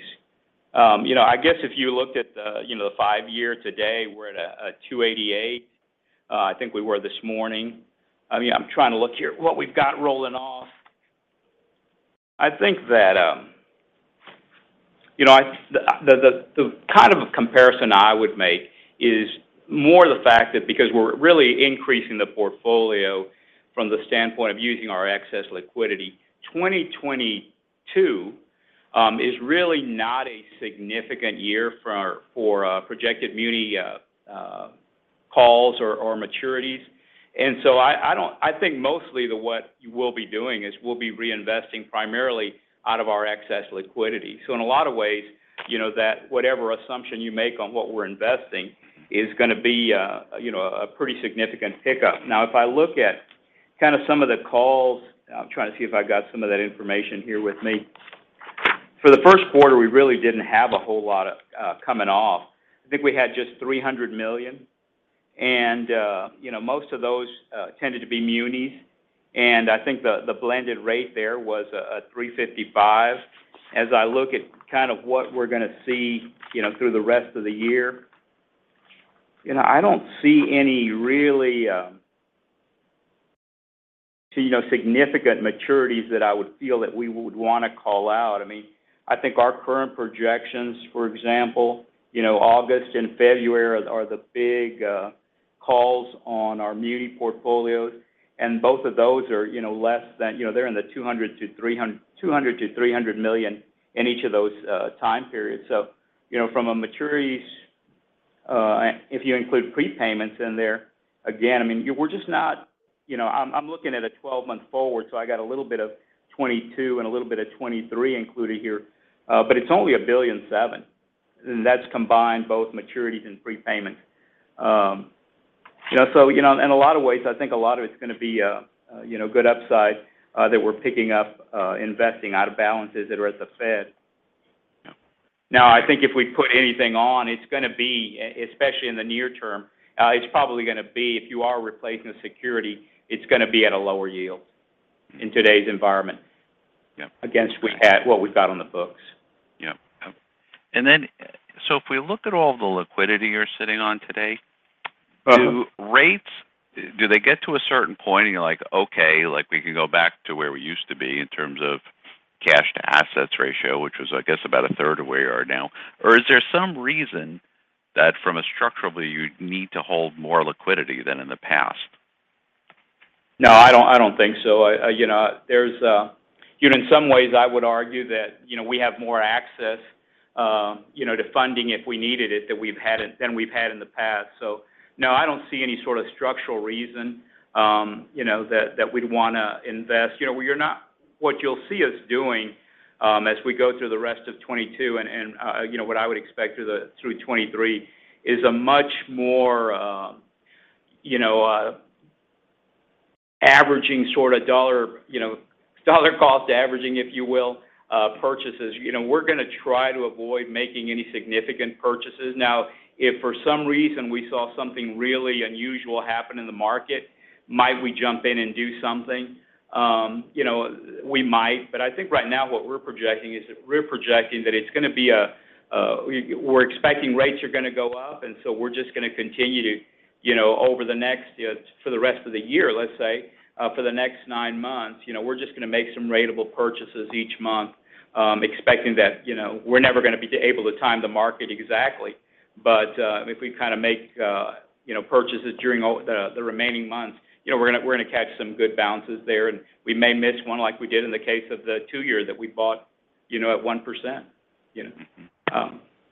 You know, I guess if you looked at the, you know, the five-year today, we're at a 2.88%. I think we were this morning. I mean, I'm trying to look here. What we've got rolling off. I think that, you know, the kind of comparison I would make is more the fact that because we're really increasing the portfolio from the standpoint of using our excess liquidity, 2022 is really not a significant year for projected muni calls or maturities. I think mostly what you will be doing is we'll be reinvesting primarily out of our excess liquidity. In a lot of ways, you know, that whatever assumption you make on what we're investing is gonna be, you know, a pretty significant pickup. Now, if I look at kind of some of the calls, I'm trying to see if I got some of that information here with me. For the first quarter, we really didn't have a whole lot coming off. I think we had just $300 million. Most of those tended to be munis. I think the blended rate there was a 3.55%. As I look at kind of what we're gonna see, you know, through the rest of the year, you know, I don't see any really, you know, significant maturities that I would feel that we would wanna call out. I mean, I think our current projections, for example, you know, August and February are the big calls on our muni portfolios, and both of those are, you know, they're in the $200 million-$300 million in each of those time periods. You know, from a maturities, if you include prepayments in there, again, I mean, we're just not. You know, I'm looking at a 12-month forward, so I got a little bit of 2022 and a little bit of 2023 included here, but it's only $1.7 billion. That's combined both maturities and prepayments. You know, in a lot of ways, I think a lot of it's gonna be good upside that we're picking up, investing out of balances that are at the Fed. Yeah. Now, I think if we put anything on, it's gonna be, especially in the near term, it's probably gonna be, if you are replacing a security, it's gonna be at a lower yield in today's environment. Yeah what we've got on the books. Yeah. If we look at all the liquidity you're sitting on today. Uh-huh Do rates, do they get to a certain point and you're like, "Okay, like, we can go back to where we used to be in terms of cash to assets ratio," which was, I guess, about a third of where you are now? Or is there some reason that from a structural, you'd need to hold more liquidity than in the past? No, I don't think so. You know, there's you know, in some ways, I would argue that, you know, we have more access, you know, to funding if we needed it than we've had in the past. No, I don't see any sort of structural reason, you know, that we'd wanna invest. You know, you're not what you'll see us doing, as we go through the rest of 2022 and, you know, what I would expect through 2023 is a much more, you know, averaging sort of dollar, you know, dollar cost averaging, if you will, purchases. You know, we're gonna try to avoid making any significant purchases. Now, if for some reason we saw something really unusual happen in the market, might we jump in and do something? You know, we might. I think right now what we're expecting is rates are gonna go up, and so we're just gonna continue to, you know, over the next, for the rest of the year, let's say, for the next nine months, you know, we're just gonna make some ratable purchases each month, expecting that, you know, we're never gonna be able to time the market exactly. If we kind of make, you know, purchases during all the remaining months, you know, we're gonna catch some good balances there. We may miss one like we did in the case of the two-year that we bought, you know, at 1%, you know.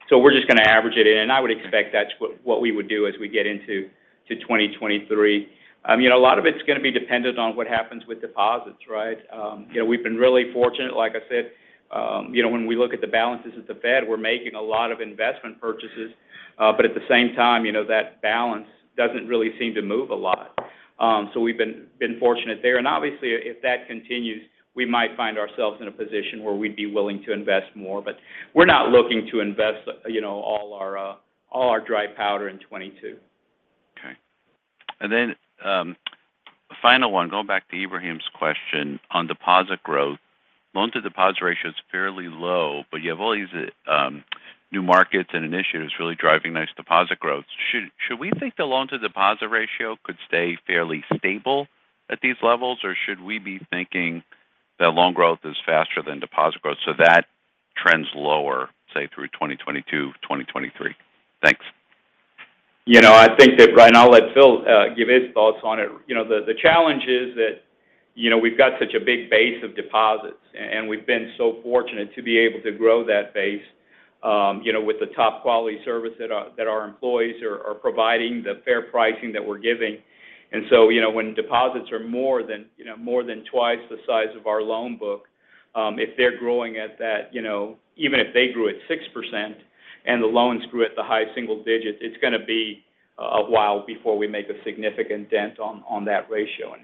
So we're just gonna average it in. I would expect that's what we would do as we get into 2023. You know, a lot of it's gonna be dependent on what happens with deposits, right? You know, we've been really fortunate, like I said. You know, when we look at the balances at the Fed, we're making a lot of investment purchases. But at the same time, you know, that balance doesn't really seem to move a lot. So we've been fortunate there. Obviously, if that continues, we might find ourselves in a position where we'd be willing to invest more. But we're not looking to invest, you know, all our dry powder in 2022. Okay. Final one, going back to Ebrahim's question on deposit growth. Loan to deposit ratio is fairly low, but you have all these new markets and initiatives really driving nice deposit growth. Should we think the loan to deposit ratio could stay fairly stable at these levels, or should we be thinking that loan growth is faster than deposit growth so that trends lower, say, through 2022, 2023? Thanks. You know, I think that Ryan, I'll let Phil give his thoughts on it. You know, the challenge is that, you know, we've got such a big base of deposits. And we've been so fortunate to be able to grow that base, you know, with the top quality service that our employees are providing, the fair pricing that we're giving. You know, when deposits are more than, you know, more than twice the size of our loan book, if they're growing at that, you know, even if they grew at 6% and the loans grew at the high single digits, it's gonna be a while before we make a significant dent on that ratio.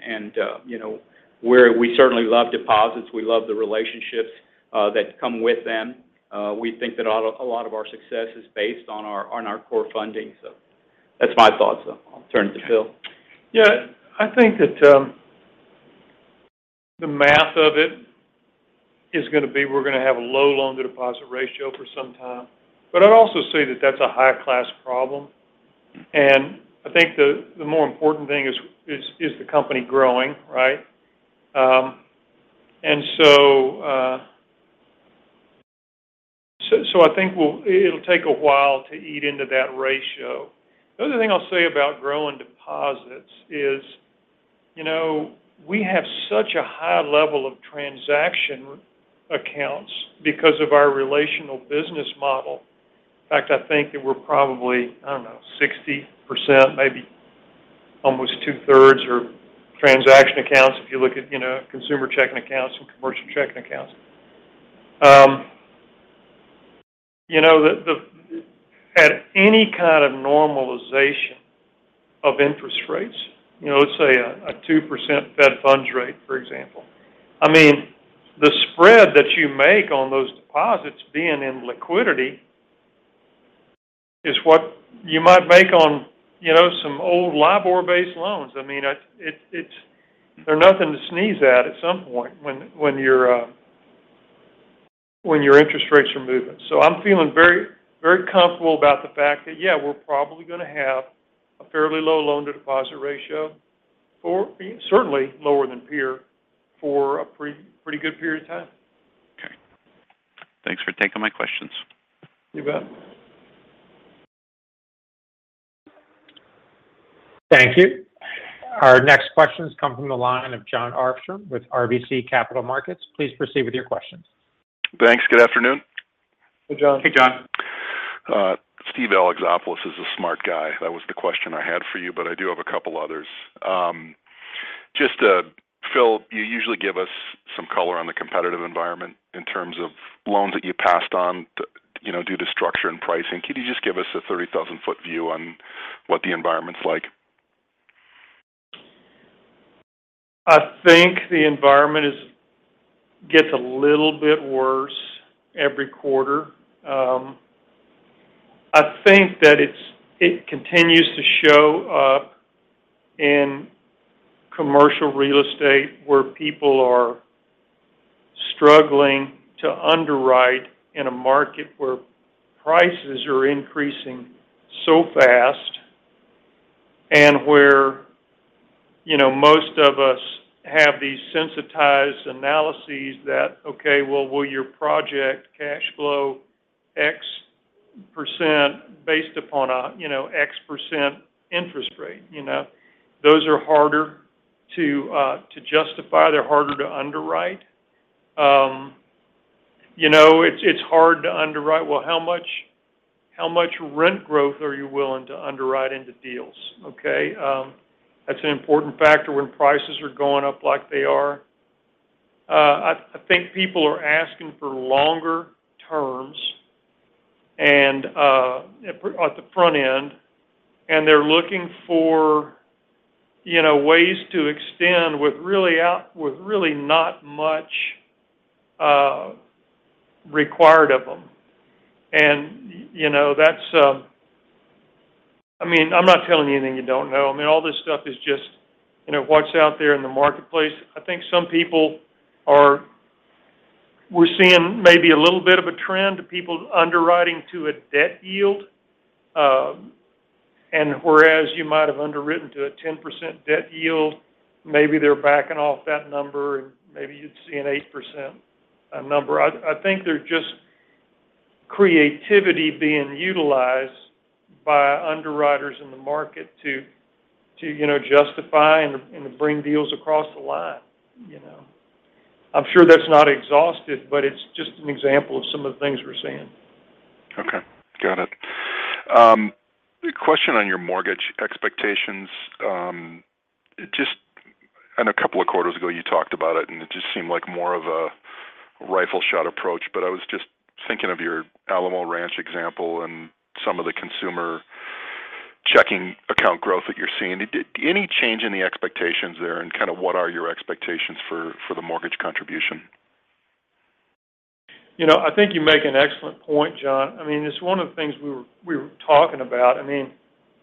You know, we certainly love deposits. We love the relationships that come with them. We think that a lot of our success is based on our core funding. That's my thoughts, so I'll turn it to Phil. Yeah. I think that the math of it is gonna be we're gonna have a low loan to deposit ratio for some time. I'd also say that that's a high-class problem. I think the more important thing is the company growing, right? I think it'll take a while to eat into that ratio. The other thing I'll say about growing deposits is, you know, we have such a high level of transaction accounts because of our relational business model. In fact, I think that we're probably, I don't know, 60%, maybe almost two-thirds are transaction accounts if you look at, you know, consumer checking accounts and commercial checking accounts. At any kind of normalization of interest rates, you know, let's say a 2% Fed funds rate, for example. I mean, the spread that you make on those deposits being in liquidity is what you might make on, you know, some old LIBOR-based loans. I mean, it's. They're nothing to sneeze at at some point when your interest rates are moving. I'm feeling very comfortable about the fact that, yeah, we're probably gonna have a fairly low loan to deposit ratio, certainly lower than peer, for a pretty good period of time. Okay. Thanks for taking my questions. You bet. Thank you. Our next questions come from the line of Jon Arfstrom with RBC Capital Markets. Please proceed with your questions. Thanks. Good afternoon. Hey, Jon. Hey, Jon. Steve Alexopoulos is a smart guy. That was the question I had for you, but I do have a couple others. Just, Phil, you usually give us some color on the competitive environment in terms of loans that you passed on due to structure and pricing. Can you just give us a 30,000-foot view on what the environment's like? I think the environment gets a little bit worse every quarter. I think that it continues to show up in commercial real estate where people are struggling to underwrite in a market where prices are increasing so fast and where, you know, most of us have these sensitized analyses that, okay, well, will your project cashflow X percent based upon a, you know, X percent interest rate, you know? Those are harder to justify. They're harder to underwrite. You know, it's hard to underwrite, well, how much rent growth are you willing to underwrite into deals, okay? That's an important factor when prices are going up like they are. I think people are asking for longer terms and at the front end, and they're looking for, you know, ways to extend with really not much required of them. You know, that's I mean, I'm not telling you anything you don't know. I mean, all this stuff is just, you know, what's out there in the marketplace. I think we're seeing maybe a little bit of a trend of people underwriting to a debt yield. Whereas you might have underwritten to a 10% debt yield, maybe they're backing off that number, and maybe you'd see an 8% number. I think there's just creativity being utilized by underwriters in the market to, you know, justify and to bring deals across the line, you know. I'm sure that's not exhaustive, but it's just an example of some of the things we're seeing. Okay. Got it. A question on your mortgage expectations. Just, I know a couple of quarters ago you talked about it, and it just seemed like more of a rifle shot approach, but I was just thinking of your Alamo Ranch example and some of the consumer checking account growth that you're seeing. Did any change in the expectations there, and kind of what are your expectations for the mortgage contribution? You know, I think you make an excellent point, Jon. I mean, it's one of the things we were talking about. I mean,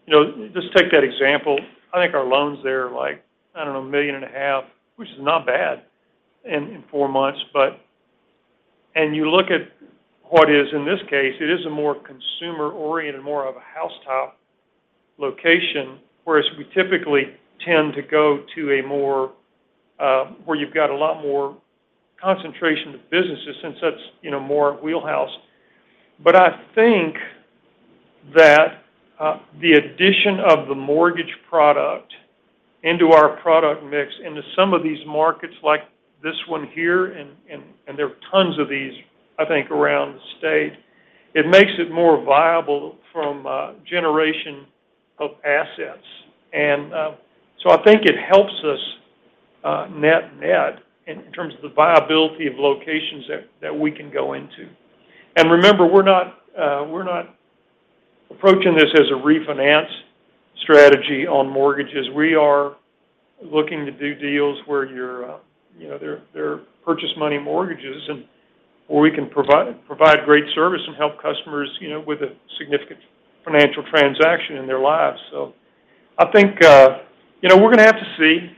you know, just take that example. I think our loans there are like, I don't know, $1.5 million, which is not bad in four months. You look at what is, in this case, it is a more consumer-oriented, more of a Houston location, whereas we typically tend to go to a more where you've got a lot more concentration of businesses since that's, you know, more our wheelhouse. I think that the addition of the mortgage product into our product mix into some of these markets like this one here, and there are tons of these, I think, around the state, it makes it more viable from generation of assets. I think it helps us net-net in terms of the viability of locations that we can go into. Remember, we're not approaching this as a refinance strategy on mortgages. We are looking to do deals where you're, you know, they're purchase money mortgages and where we can provide great service and help customers, you know, with a significant financial transaction in their lives. I think, you know, we're gonna have to see.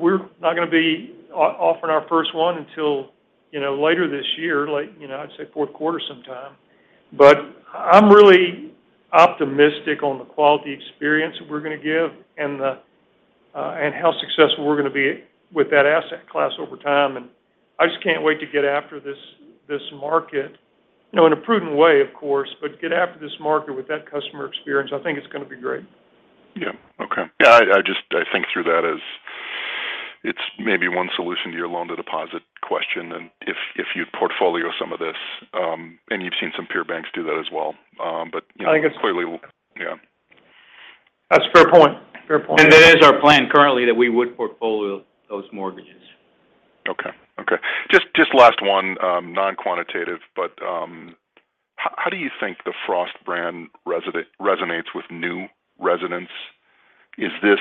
We're not gonna be offering our first one until, you know, later this year, like, you know, I'd say fourth quarter sometime. I'm really optimistic on the quality experience that we're gonna give and the and how successful we're gonna be with that asset class over time. I just can't wait to get after this market, you know, in a prudent way, of course, but get after this market with that customer experience. I think it's gonna be great. Yeah. Okay. Yeah, I just think through that as it's maybe one solution to your loan-to-deposit question and if you'd portfolio some of this, and you've seen some peer banks do that as well. But you know, clearly. I think it's. Yeah. That's a fair point. Fair point. That is our plan currently, that we would portfolio those mortgages. Okay. Just last one, non-quantitative, but, how do you think the Frost brand resonates with new residents? Is this,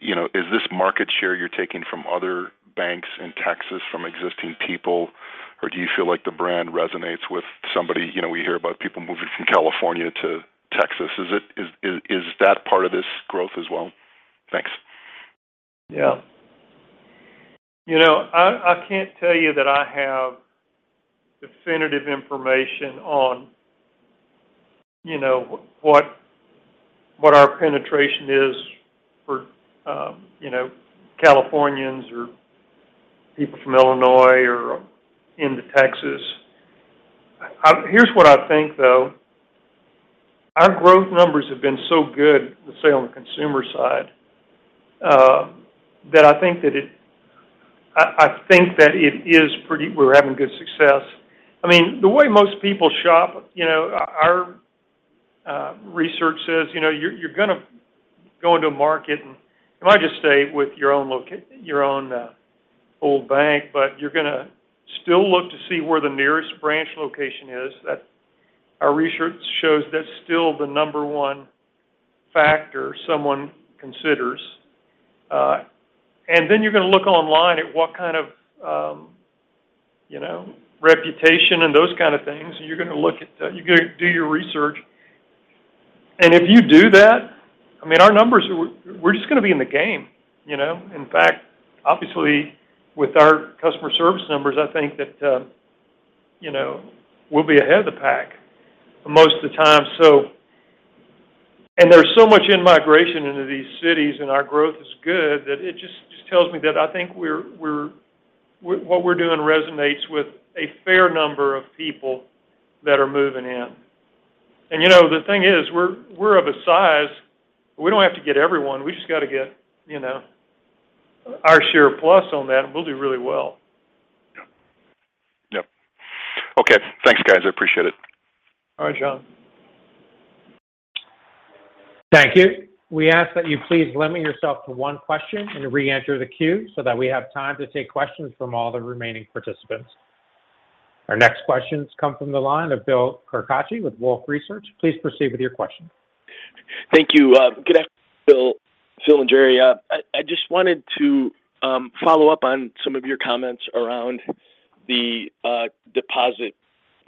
you know, is this market share you're taking from other banks in Texas from existing people, or do you feel like the brand resonates with somebody? You know, we hear about people moving from California to Texas. Is that part of this growth as well? Thanks. Yeah. You know, I can't tell you that I have definitive information on, you know, what our penetration is for, you know, Californians or people from Illinois or into Texas. Here's what I think, though. Our growth numbers have been so good, let's say, on the consumer side, that I think that it is pretty. We're having good success. I mean, the way most people shop, you know, our research says, you know, you're gonna go into a market, and you might just stay with your own old bank, but you're gonna still look to see where the nearest branch location is. Our research shows that's still the number one factor someone considers. Then you're gonna look online at what kind of, you know, reputation and those kind of things, and you're gonna look at, you're gonna do your research. If you do that, I mean, our numbers are we're just gonna be in the game, you know. In fact, obviously, with our customer service numbers, I think that, you know, we'll be ahead of the pack most of the time. There's so much in-migration into these cities, and our growth is good, that it just tells me that I think what we're doing resonates with a fair number of people that are moving in. You know, the thing is, we're of a size. We don't have to get everyone. We just got to get, you know, our share plus on that, and we'll do really well. Yeah. Yep. Okay. Thanks, guys. I appreciate it. All right, Jon. Thank you. We ask that you please limit yourself to one question and reenter the queue so that we have time to take questions from all the remaining participants. Our next questions come from the line of Bill Carcache with Wolfe Research. Please proceed with your question. Thank you. Good afternoon, Bill, Phil, and Jerry. I just wanted to follow up on some of your comments around the deposit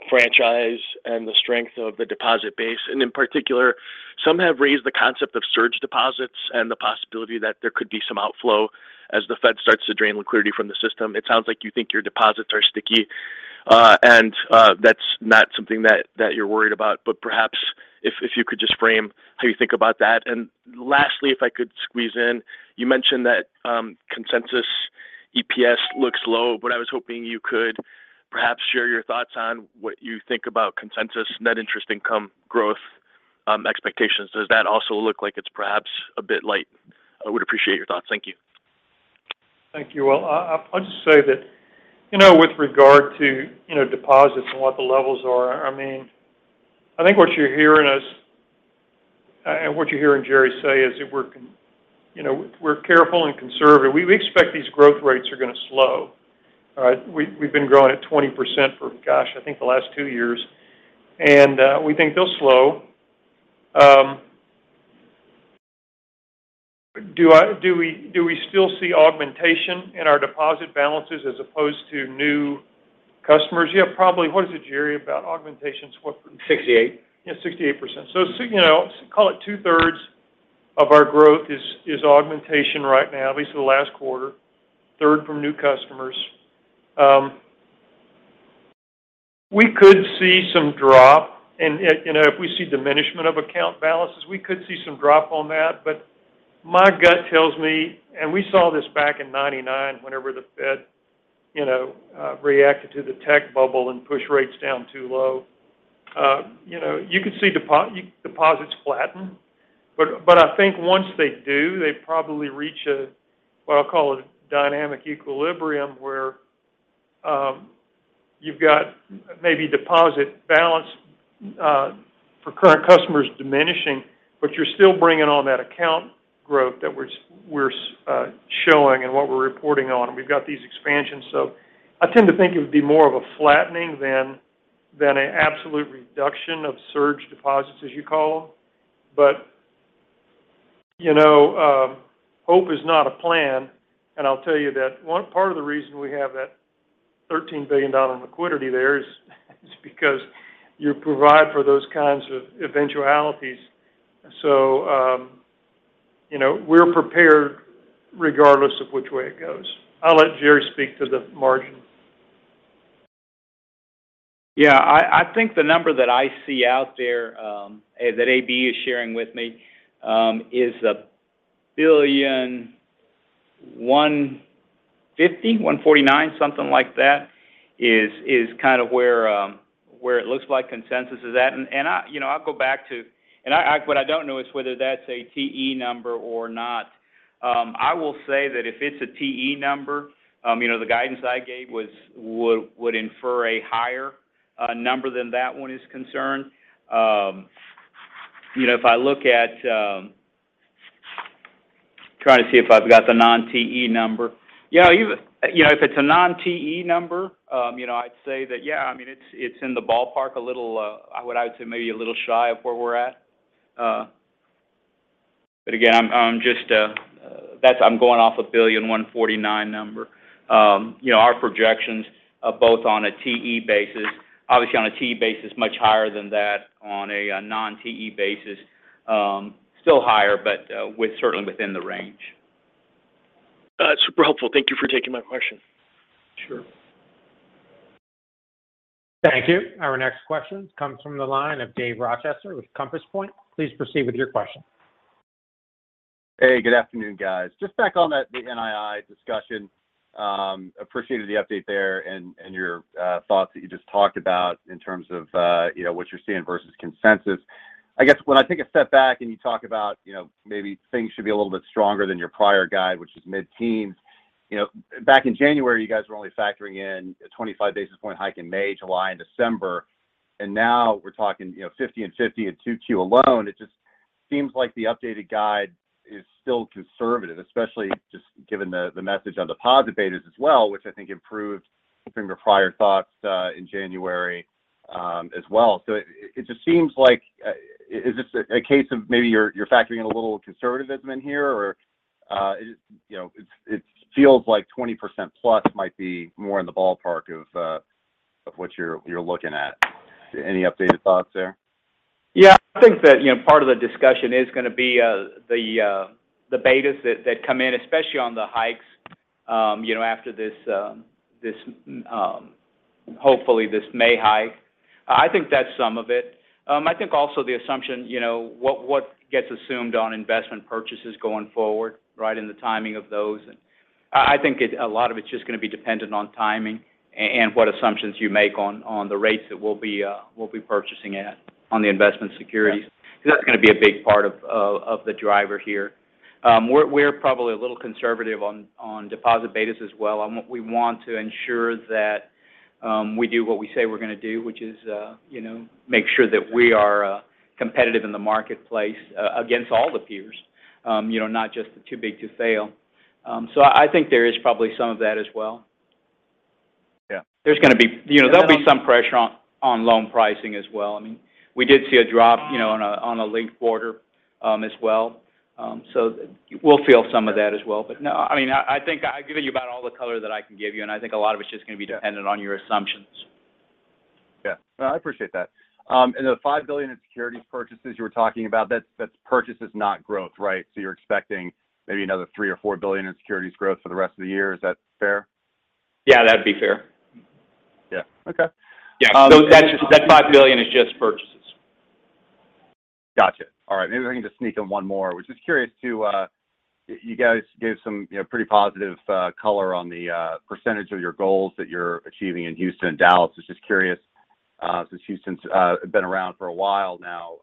franchise and the strength of the deposit base. In particular, some have raised the concept of surge deposits and the possibility that there could be some outflow as the Fed starts to drain liquidity from the system. It sounds like you think your deposits are sticky. That's not something that you're worried about. Perhaps if you could just frame how you think about that. Lastly, if I could squeeze in, you mentioned that consensus EPS looks low. What I was hoping you could perhaps share your thoughts on what you think about consensus net interest income growth expectations. Does that also look like it's perhaps a bit light? I would appreciate your thoughts. Thank you. Thank you. Well, I'll just say that, you know, with regard to, you know, deposits and what the levels are, I mean, I think what you're hearing us and what you're hearing Jerry say is that we're careful and conservative. We expect these growth rates are gonna slow. All right? We've been growing at 20% for, gosh, I think the last two years. We think they'll slow. Do we still see augmentation in our deposit balances as opposed to new customers? Yeah, probably. What is it, Jerry, about augmentations? What 68%. Yeah, 68%. You know, call it two-thirds of our growth is augmentation right now, at least for the last quarter. One-third from new customers. We could see some drop. You know, if we see diminishment of account balances, we could see some drop on that. My gut tells me, and we saw this back in 1999 whenever the Fed, you know, reacted to the tech bubble and pushed rates down too low. You know, you could see deposits flatten. I think once they do, they probably reach what I'll call a dynamic equilibrium where you've got maybe deposit balance for current customers diminishing, but you're still bringing on that account growth that we're showing and what we're reporting on, and we've got these expansions. I tend to think it would be more of a flattening than an absolute reduction of surge deposits, as you call them. you know, hope is not a plan, and I'll tell you that one part of the reason we have that $13 billion liquidity there is because you provide for those kinds of eventualities. you know, we're prepared regardless of which way it goes. I'll let Jerry speak to the margin. Yeah. I think the number that I see out there that AB is sharing with me is $1.15 billion, $1.149 billion, something like that is kind of where it looks like consensus is at. You know, I'll go back to what I don't know is whether that's a TE number or not. I will say that if it's a TE number, you know, the guidance I gave would infer a higher number than that one is concerned. You know, trying to see if I've got the non-TE number. Yeah. You know, if it's a non-TE number, you know, I'd say that, yeah, I mean, it's in the ballpark a little. I would say maybe a little shy of where we're at. But again, I'm just going off a $1.149 billion number. You know, our projections are both on a TE basis. Obviously, on a TE basis, much higher than that. On a non-TE basis, still higher, but certainly within the range. Super helpful. Thank you for taking my question. Sure. Thank you. Our next question comes from the line of Dave Rochester with Compass Point. Please proceed with your question. Hey, good afternoon, guys. Just back on that, the NII discussion, appreciated the update there and your thoughts that you just talked about in terms of you know what you're seeing versus consensus. I guess when I take a step back and you talk about, you know, maybe things should be a little bit stronger than your prior guide, which is mid-teens. You know, back in January, you guys were only factoring in a 25 basis point hike in May, July, and December. Now we're talking, you know, 50 and 50 in 2Q alone. It just seems like the updated guide is still conservative, especially just given the message on deposit betas as well, which I think improved from your prior thoughts in January as well. It just seems like is this a case of maybe you're factoring in a little conservatism in here? Or is it, you know, it feels like 20%+ might be more in the ballpark of what you're looking at. Any updated thoughts there? Yeah. I think that, you know, part of the discussion is gonna be the betas that come in, especially on the hikes, you know, after this hopefully this May hike. I think that's some of it. I think also the assumption, you know, what gets assumed on investment purchases going forward, right, and the timing of those. I think a lot of it's just gonna be dependent on timing and what assumptions you make on the rates that we'll be purchasing at on the investment securities. Yeah. That's gonna be a big part of the driver here. We're probably a little conservative on deposit betas as well. What we want to ensure that we do what we say we're gonna do, which is, you know, make sure that we are competitive in the marketplace against all the peers, you know, not just the too big to fail. I think there is probably some of that as well. Yeah. There's gonna be. You know, there'll be some pressure on loan pricing as well. I mean, we did see a drop, you know, on a linked quarter, as well. We'll feel some of that as well. No, I mean, I think I've given you about all the color that I can give you, and I think a lot of it's just gonna be dependent on your assumptions. Yeah. No, I appreciate that. The $5 billion in securities purchases you were talking about, that's purchases, not growth, right? You're expecting maybe another $3 billion or $4 billion in securities growth for the rest of the year. Is that fair? Yeah, that'd be fair. Yeah. Okay. Yeah. That $5 billion is just purchases. Gotcha. All right. Maybe I can just sneak in one more. I was just curious. You guys gave some, you know, pretty positive color on the percentage of your goals that you're achieving in Houston and Dallas. I was just curious since Houston's been around for a while now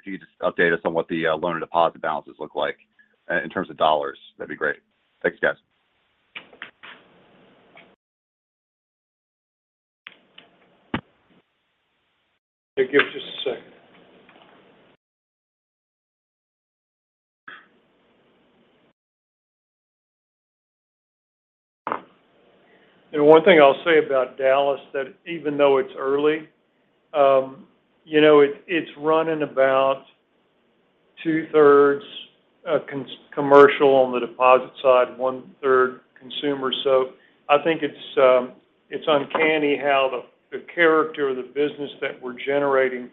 if you could just update us on what the loan-to-deposit balances look like in terms of dollars, that'd be great. Thanks, guys. Hey, give us just a second. One thing I'll say about Dallas that even though it's early, it's running about two-thirds commercial on the deposit side, one-third consumer. I think it's uncanny how the character of the business that we're generating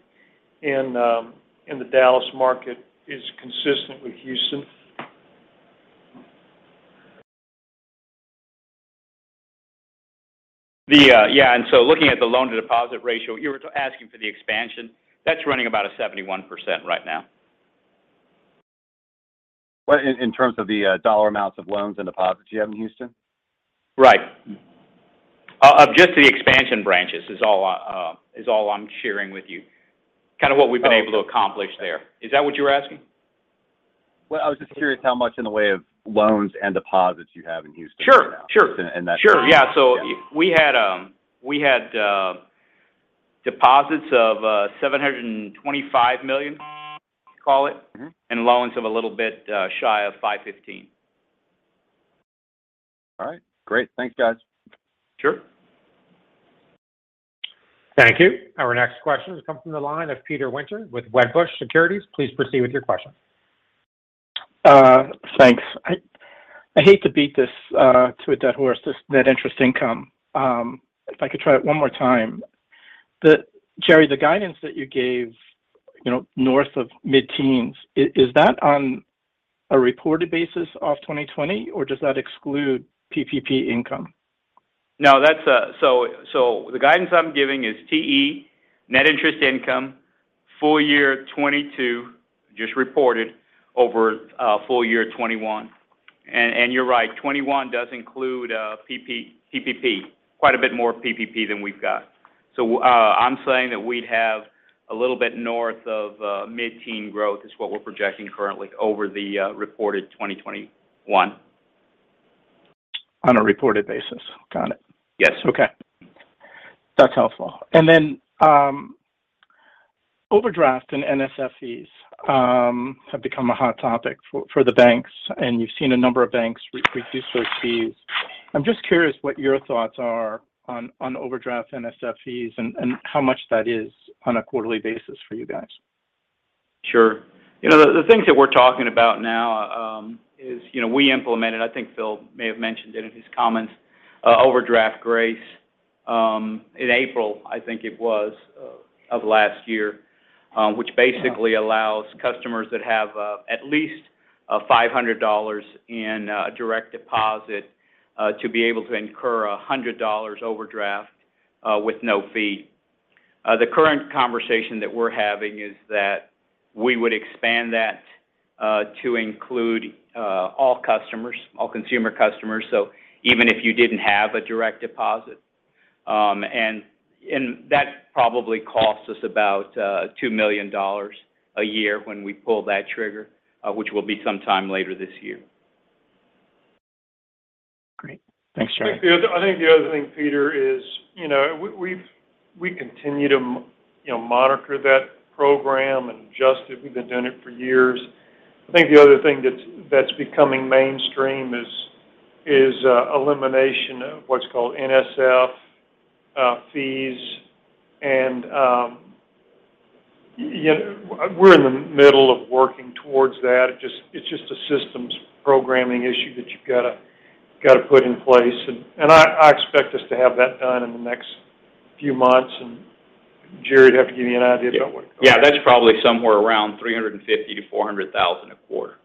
in the Dallas market is consistent with Houston. Looking at the loan-to-deposit ratio, you were asking for the expansion. That's running about a 71% right now. In terms of the dollar amounts of loans and deposits you have in Houston? Right. Of just the expansion branches is all I'm sharing with you. Kinda what we've been able to accomplish there. Is that what you were asking? Well, I was just curious how much in the way of loans and deposits you have in Houston right now. Sure, sure. In, in that- Sure. Yeah. We had deposits of $725 million, call it. Mm-hmm. Loans of a little bit shy of $515 million. All right. Great. Thanks, guys. Sure. Thank you. Our next question comes from the line of Peter Winter with Wedbush Securities. Please proceed with your question. Thanks. I hate to beat a dead horse, that interest income. If I could try it one more time. Jerry, the guidance that you gave, you know, north of mid-teens, is that on a reported basis of 2020, or does that exclude PPP income? No, that's. The guidance I'm giving is TE net interest income full year 2022 just reported over full year 2021. You're right, 2021 does include PPP, quite a bit more PPP than we've got. I'm saying that we'd have a little bit north of mid-teen growth is what we're projecting currently over the reported 2021. On a reported basis. Got it. Yes. Okay. That's helpful. Overdraft and NSF fees have become a hot topic for the banks, and you've seen a number of banks reduce those fees. I'm just curious what your thoughts are on overdraft NSF fees and how much that is on a quarterly basis for you guys. Sure. You know, the things that we're talking about now is you know we implemented, I think Phil may have mentioned it in his comments, overdraft grace in April, I think it was, of last year, which basically allows customers that have at least $500 in direct deposit to be able to incur a $100 overdraft with no fee. The current conversation that we're having is that we would expand that to include all customers, all consumer customers, so even if you didn't have a direct deposit. That probably costs us about $2 million a year when we pull that trigger, which will be sometime later this year. Great. Thanks, Jerry. I think the other thing, Peter, is, you know, we continue to monitor that program and adjust it. We've been doing it for years. I think the other thing that's becoming mainstream is elimination of what's called NSF fees. You know, we're in the middle of working towards that. It's just a systems programming issue that you've gotta put in place, and I expect us to have that done in the next few months. Jerry, do you have to give me an idea about what- Yeah, that's probably somewhere around $350,000-$400,000 a quarter.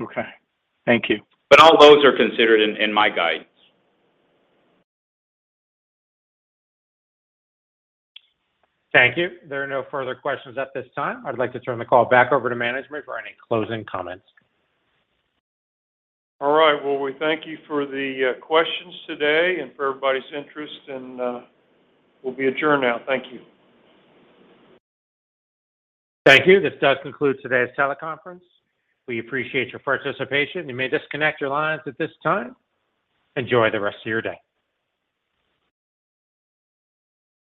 Okay. Thank you. All those are considered in my guidance. Thank you. There are no further questions at this time. I'd like to turn the call back over to management for any closing comments. All right. Well, we thank you for the questions today and for everybody's interest. We'll be adjourned now. Thank you. Thank you. This does conclude today's teleconference. We appreciate your participation. You may disconnect your lines at this time. Enjoy the rest of your day.